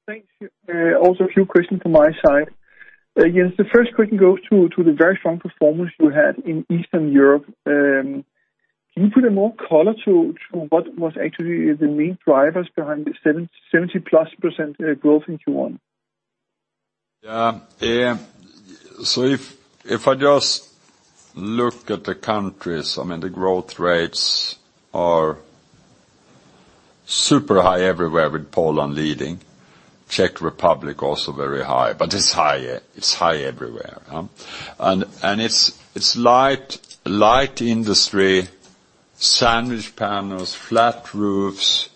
Thanks. Also a few questions from my side. Yes, the first question goes to the very strong performance you had in Eastern Europe. Can you put more color to what was actually the main drivers behind the 70%+ growth in Q1? Yeah, if I just look at the countries, I mean, the growth rates are super high everywhere with Poland leading, Czech Republic also very high, but it's high everywhere. And it's light industry, sandwich panels, flat roofs,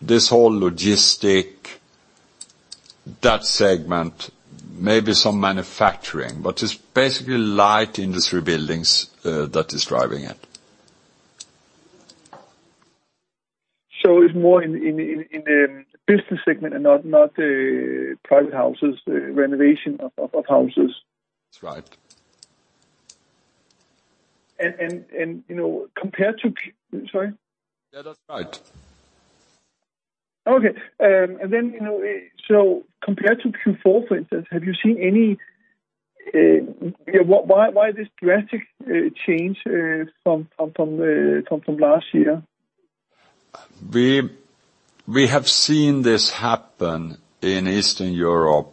this whole logistics, that segment, maybe some manufacturing, but it's basically light industry buildings that is driving it. It's more in business segment and not private houses renovation of houses? That's right. And compared to- Sorry. Yeah, that's right. Okay. You know, compared to Q4, for instance, have you seen any, yeah, why this drastic change from last year? We have seen this happen in Eastern Europe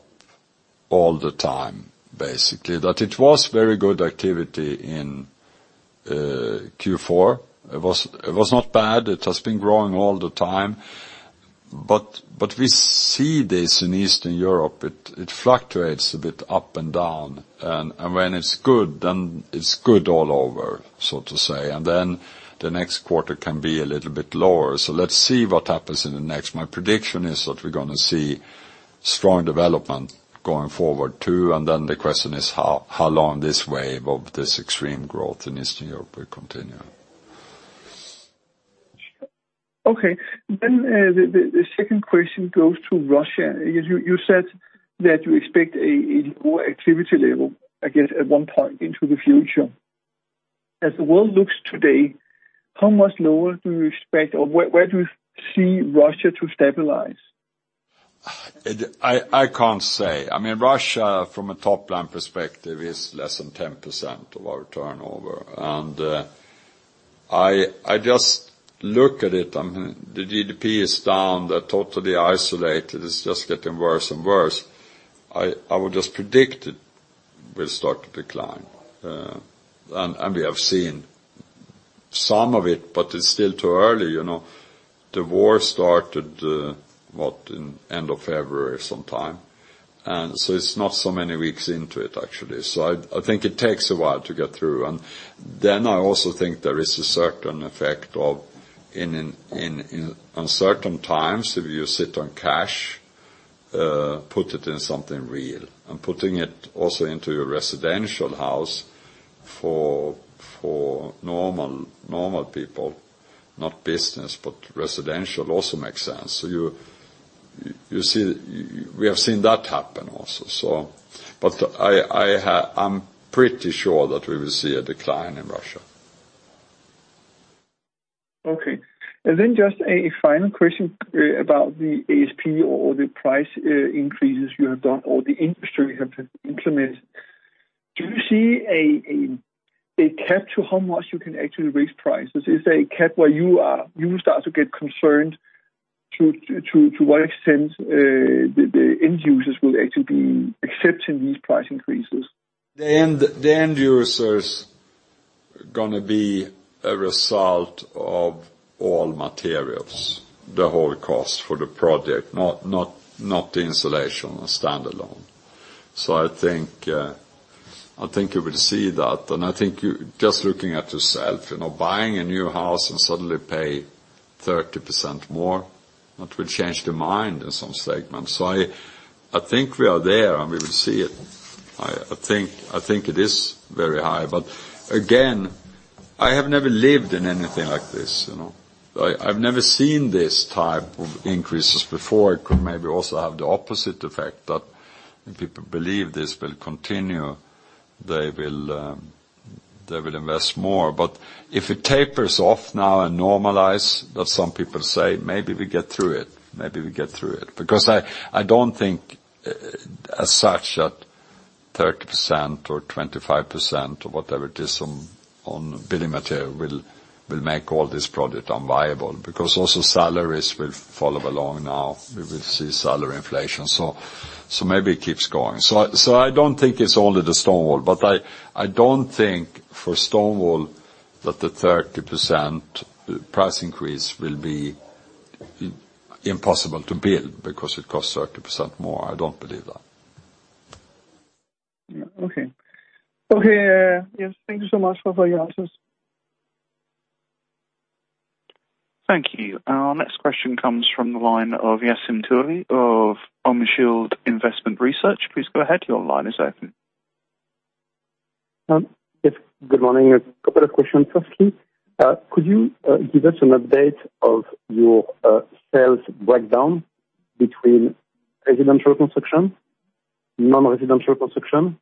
all the time, basically. That it was very good activity in Q4. It was not bad. It has been growing all the time. We see this in Eastern Europe. It fluctuates a bit up and down. When it's good, then it's good all over, so to say. Then the next quarter can be a little bit lower. Let's see what happens in the next. My prediction is that we're gonna see strong development going forward too, and then the question is how long this wave of this extreme growth in Eastern Europe will continue. Okay. The second question goes to Russia. You said that you expect a more activity level, I guess, at one point into the future. As the world looks today, how much lower do you expect, or where do you see Russia to stabilize? I can't say. I mean, Russia, from a top line perspective, is less than 10% of our turnover. I just look at it. I mean, the GDP is down. They're totally isolated. It's just getting worse and worse. I would just predict it will start to decline. We have seen some of it, but it's still too early, you know. The war started in the end of February sometime, and it's not so many weeks into it, actually. I think it takes a while to get through. I also think there is a certain effect of in uncertain times, if you sit on cash, put it in something real. Putting it also into a residential house for normal people, not business, but residential also makes sense. You see. We have seen that happen also. I'm pretty sure that we will see a decline in Russia. Okay. Just a final question about the ASP or the price increases you have done or the industry you have to implement. Do you see a cap to how much you can actually raise prices? Is there a cap where you will start to get concerned to what extent the end users will actually be accepting these price increases? The end user's gonna be a result of all materials, the whole cost for the project, not the insulation standalone. I think you will see that. I think you just looking at yourself, you know, buying a new house and suddenly pay 30% more, that will change the mind in some segments. I think we are there, and we will see it. I think it is very high. Again, I have never lived in anything like this, you know. I've never seen this type of increases before. It could maybe also have the opposite effect, that if people believe this will continue, they will invest more. If it tapers off now and normalize, that some people say, maybe we get through it. Because I don't think as such that 30% or 25% or whatever it is on building material will make all this project unviable, because also salaries will follow along now. We will see salary inflation. So maybe it keeps going. I don't think it's only the stone wool, but I don't think for stone wool that the 30% price increase will be impossible to build because it costs 30% more, I don't believe that. Yeah. Okay. Okay, yes, thank you so much for your answers. Thank you. Our next question comes from the line of Yassine Touahri of On Field Investment Research. Please go ahead, your line is open. Yes, good morning. A couple of questions. Firstly, could you give us an update of your sales breakdown between residential construction, non-residential construction,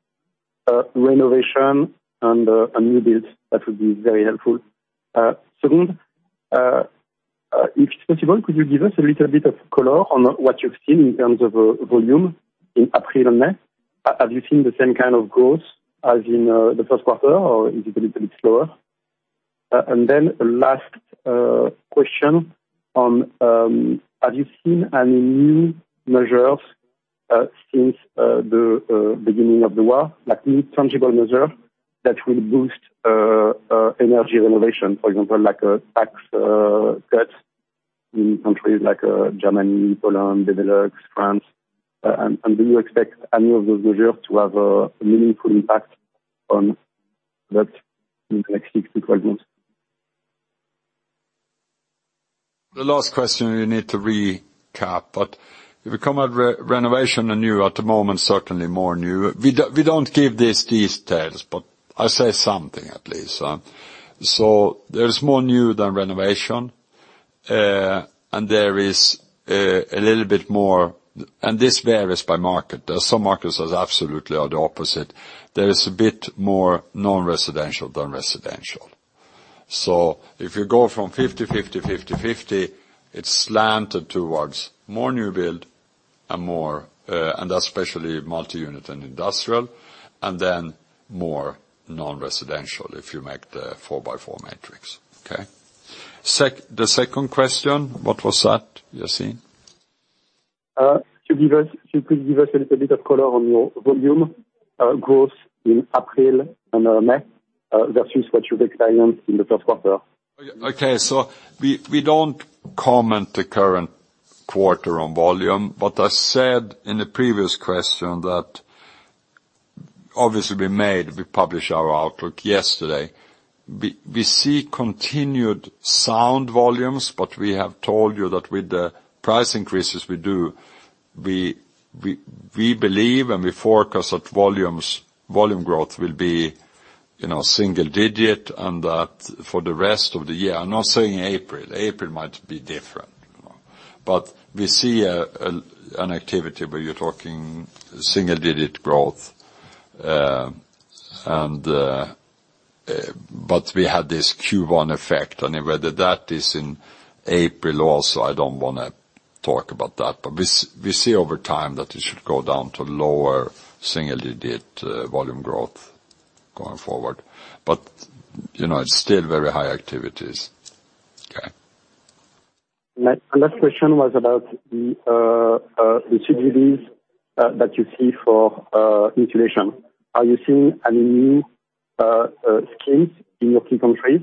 renovation and new builds? That would be very helpful. Second, if it's possible, could you give us a little bit of color on what you've seen in terms of volume in April and May? Have you seen the same kind of growth as in the first quarter or is it a little bit slower? Then last question on, have you seen any new measures since the beginning of the war? Like new tangible measure that will boost energy renovation, for example, like a tax cuts in countries like Germany, Poland, Benelux, France. Do you expect any of those measures to have a meaningful impact on that in the next six to 12 months? The last question we need to recap, but if we come at renovation and new, at the moment certainly more new. We don't give these details, but I say something at least. There's more new than renovation. There is a little bit more. This varies by market. There's some markets that absolutely are the opposite. There is a bit more non-residential than residential. If you go from 50/50, it's slanted towards more new build and especially multi-unit and industrial, and then more non-residential if you make the four-by-four matrix. Okay. The second question, what was that, Yassine? Could you please give us a little bit of color on your volume growth in April and May versus what you've experienced in the first quarter? Okay. We don't comment on the current quarter volume, but I said in the previous question that obviously we published our outlook yesterday. We see continued sound volumes, but we have told you that with the price increases we do, we believe and we forecast that volume growth will be, you know, single-digit and that for the rest of the year. I'm not saying April. April might be different. We see an activity where you're talking single-digit growth. We had this Q1 effect, and whether that is in April also, I don't wanna talk about that. We see over time that it should go down to lower single-digit volume growth going forward. You know, it's still very high activities. Okay. Last question was about the subsidies that you see for insulation. Are you seeing any new schemes in your key countries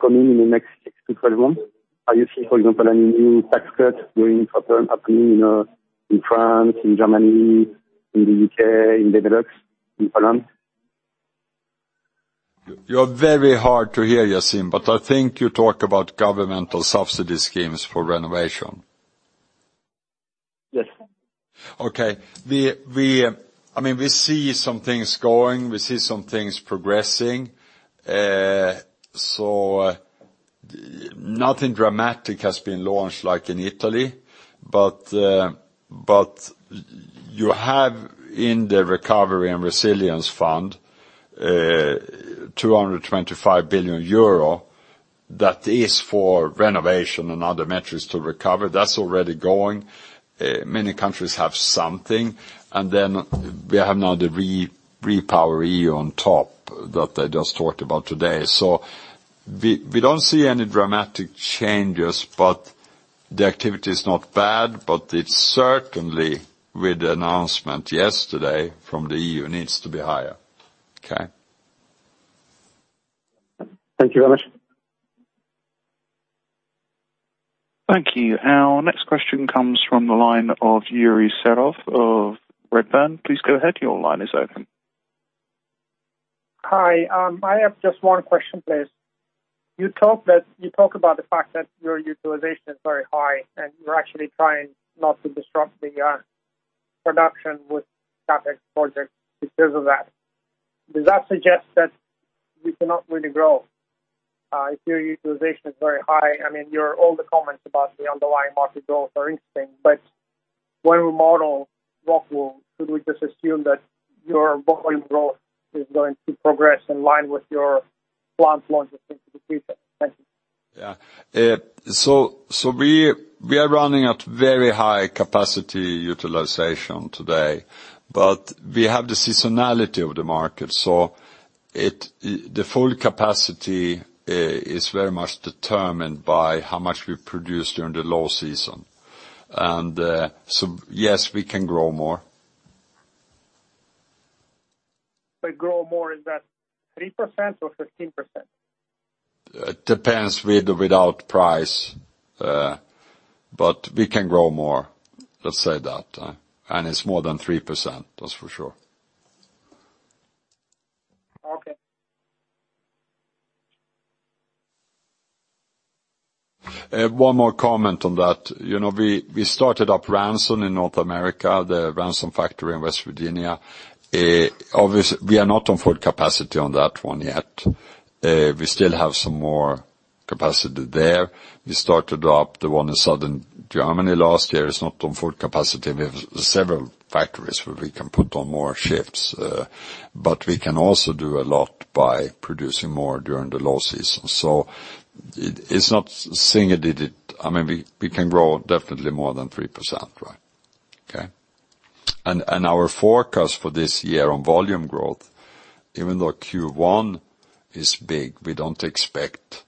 coming in the next 6-12 months? Are you seeing, for example, any new tax cuts going for you know in France, in Germany, in the U.K., in Benelux, in Poland? You're very hard to hear, Yassine, but I think you talk about governmental subsidy schemes for renovation. Yes. Okay. We, I mean, we see some things going, we see some things progressing. Nothing dramatic has been launched like in Italy. You have in the Recovery and Resilience Facility, 225 billion euro that is for renovation and other measures to recover. That's already going. Many countries have something. We have now the REPowerEU on top that I just talked about today. We don't see any dramatic changes, but the activity is not bad, but it's certainly with the announcement yesterday from the EU, needs to be higher. Okay. Thank you very much. Thank you. Our next question comes from the line of Yuri Serov of Redburn. Please go ahead, your line is open. Hi. I have just one question, please. You talked about the fact that your utilization is very high and you're actually trying not to disrupt the production with CapEx projects because of that. Does that suggest that we cannot really grow if your utilization is very high? I mean, all your comments about the underlying market growth are interesting, but when we model ROCKWOOL, should we just assume that your volume growth is going to progress in line with your plant launches into the future? Thank you. We are running at very high capacity utilization today, but we have the seasonality of the market, so the full capacity is very much determined by how much we produce during the low season. Yes, we can grow more. Grow more, is that 3% or 15%? Depends with or without price, but we can grow more, let's say that, and it's more than 3%, that's for sure. One more comment on that. You know, we started up Ranson in North America, the Ranson factory in West Virginia. We are not on full capacity on that one yet. We still have some more capacity there. We started up the one in Southern Germany last year, it's not on full capacity. We have several factories where we can put on more shifts, but we can also do a lot by producing more during the low season. It's not single-digit. I mean, we can grow definitely more than 3%, right? Okay. Our forecast for this year on volume growth, even though Q1 is big, we don't expect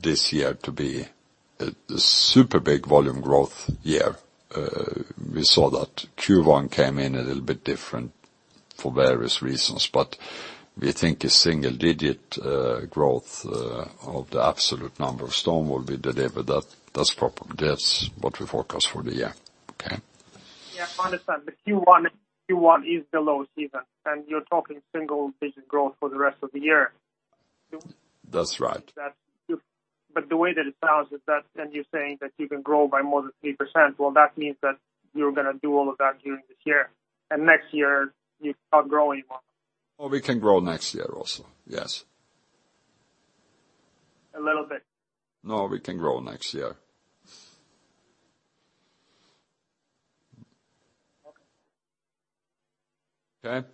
this year to be a super big volume growth year. We saw that Q1 came in a little bit different for various reasons. We think a single-digit growth of the absolute number of stone wool will be delivered. That's what we forecast for the year. Okay? Yeah, I understand. Q1 is the low season, and you're talking single-digit growth for the rest of the year. That's right. The way that it sounds is that, and you're saying that you can grow by more than 3%, well, that means that you're gonna do all of that during this year, and next year you can't grow anymore. Oh, we can grow next year also. Yes. A little bit? No, we can grow next year. Okay. Okay.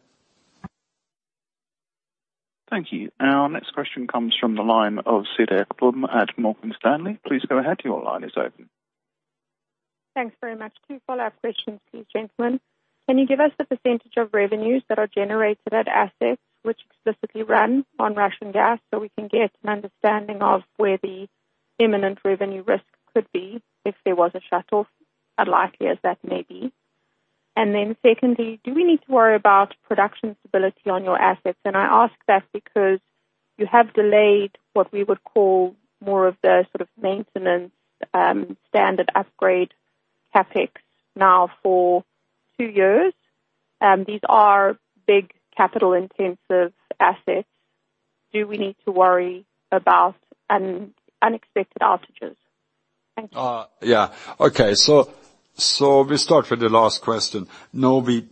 Thank you. Our next question comes from the line of Cedar Ekblom at Morgan Stanley. Please go ahead. Your line is open. Thanks very much. Two follow-up questions please, gentlemen. Can you give us the percentage of revenues that are generated at assets which explicitly run on Russian gas, so we can get an understanding of where the imminent revenue risk could be if there was a shutoff, unlikely as that may be? And then secondly, do we need to worry about production stability on your assets? And I ask that because you have delayed what we would call more of the sort of maintenance, standard upgrade CapEx now for two years. These are big capital intensive assets. Do we need to worry about unexpected outages? Thank you. We start with the last question. No, we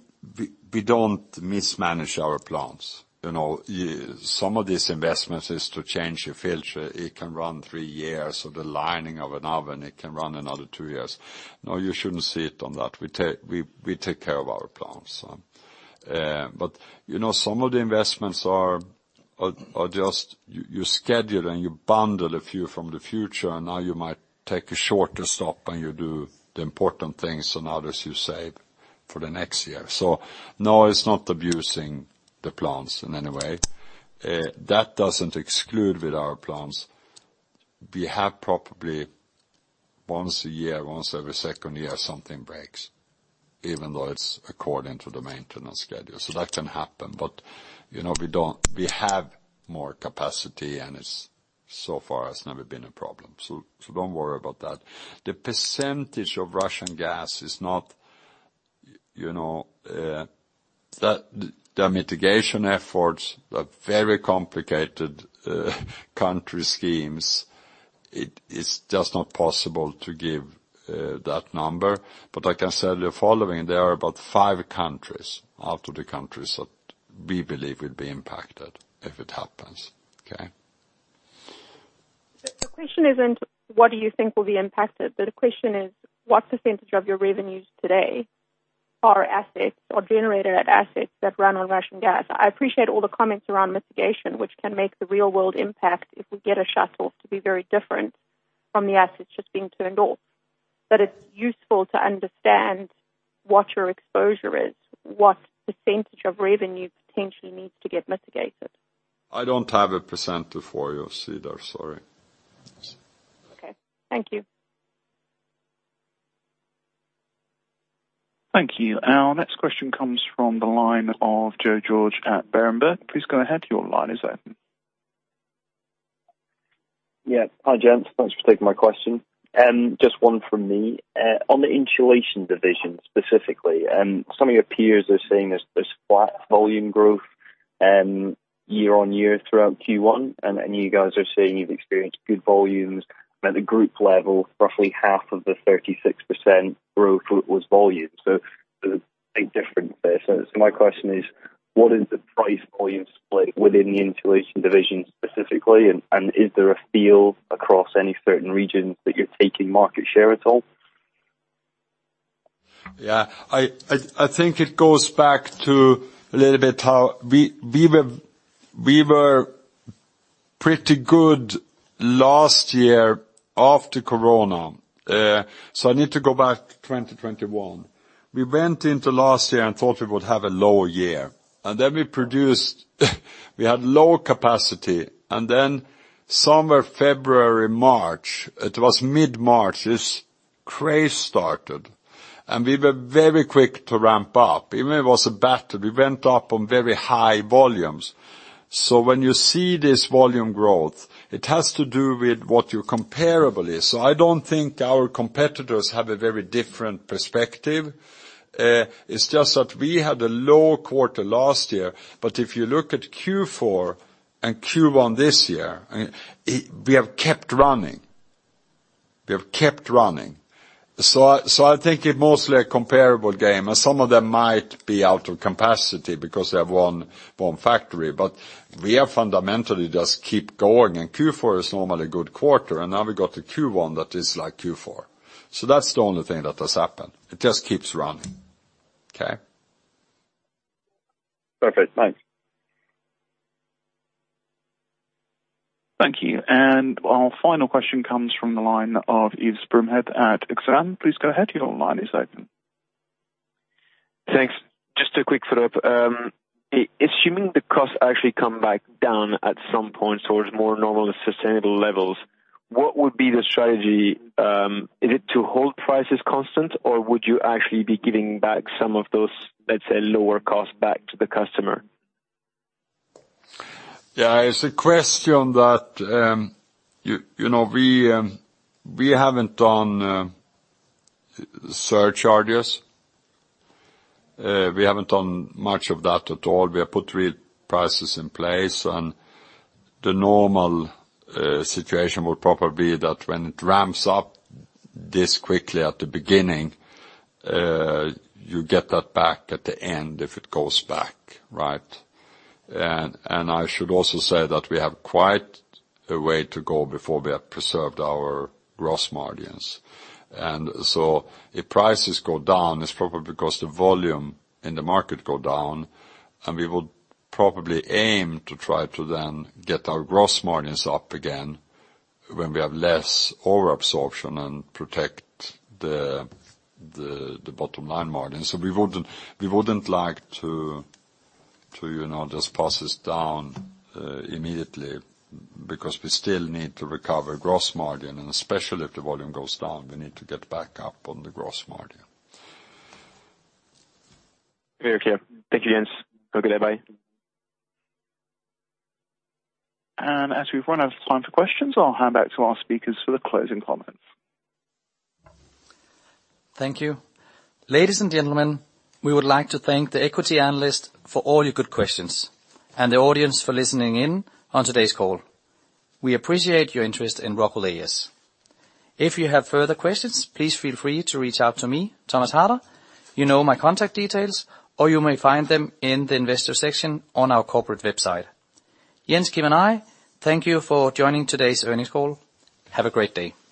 don't mismanage our plants. You know, some of these investments is to change a filter. It can run three years, or the lining of an oven. It can run another two years. No, you shouldn't see it on that. We take care of our plants. You know, some of the investments are just you schedule and you bundle a few from the future, and now you might take a shorter stop and you do the important things and others you save for the next year. No, it's not abusing the plants in any way. That doesn't exclude with our plants. We have probably once a year, once every second year, something breaks, even though it's according to the maintenance schedule. That can happen. You know, we have more capacity and it's so far has never been a problem, so don't worry about that. The percentage of Russian gas is not, you know, the mitigation efforts are very complicated, country schemes. It is just not possible to give that number. I can say the following, there are about five countries out of the countries that we believe will be impacted if it happens. Okay? The question isn't what do you think will be impacted? The question is, what percentage of your revenues today are assets or generated at assets that run on Russian gas? I appreciate all the comments around mitigation, which can make the real world impact if we get a shutoff to be very different from the assets just being turned off. It's useful to understand what your exposure is, what percentage of revenue potentially needs to get mitigated. I don't have a percentage for you, Cedar, sorry. Okay. Thank you. Thank you. Our next question comes from the line of Joe George at Berenberg. Please go ahead, your line is open. Yeah. Hi, gents. Thanks for taking my question. Just one from me. On the insulation division specifically, some of your peers are seeing this flat volume growth year-on-year throughout Q1, and you guys are saying you've experienced good volumes at the group level, roughly half of the 36% growth was volume. There's a big difference there. My question is, what is the price volume split within the insulation division specifically, and is there a feel across any certain regions that you're taking market share at all? Yeah. I think it goes back to a little bit how we were pretty good last year after corona, so I need to go back to 2021. We went into last year and thought we would have a lower year, and then we had low capacity, and then somewhere February, March, it was mid-March, the craze started, and we were very quick to ramp up. Even though it was a battle, we went up on very high volumes. When you see this volume growth, it has to do with what your comparable is. I don't think our competitors have a very different perspective. It's just that we had a low quarter last year, but if you look at Q4 and Q1 this year, we have kept running. We have kept running. I take it mostly a comparable game, and some of them might be out of capacity because they have one factory. We are fundamentally just keep going, Q4 is normally a good quarter, now we've got a Q1 that is like Q4. That's the only thing that has happened. It just keeps running. Okay? Perfect. Thanks. Thank you. Our final question comes from the line of Yves Bromehead at Exane. Please go ahead, your line is open. Thanks. Just a quick follow-up. Assuming the costs actually come back down at some point towards more normal and sustainable levels, what would be the strategy, is it to hold prices constant or would you actually be giving back some of those, let's say, lower costs back to the customer? Yeah, it's a question that, you know, we haven't done surcharges. We haven't done much of that at all. We have put real prices in place and the normal situation would probably be that when it ramps up this quickly at the beginning, you get that back at the end if it goes back. Right? I should also say that we have quite a way to go before we have preserved our gross margins. If prices go down, it's probably because the volume in the market go down, and we will probably aim to try to then get our gross margins up again when we have less overabsorption and protect the bottom line margin. We wouldn't like to, you know, just pass this down immediately because we still need to recover gross margin, and especially if the volume goes down, we need to get back up on the gross margin. Very clear. Thank you, Jens. Have a good day. Bye. As we've run out of time for questions, I'll hand back to our speakers for the closing comments. Thank you. Ladies and gentlemen, we would like to thank the equity analysts for all your good questions and the audience for listening in on today's call. We appreciate your interest in ROCKWOOL A/S. If you have further questions, please feel free to reach out to me, Thomas Harder. You know my contact details, or you may find them in the investor section on our corporate website. Jens, Kim, and I thank you for joining today's earnings call. Have a great day.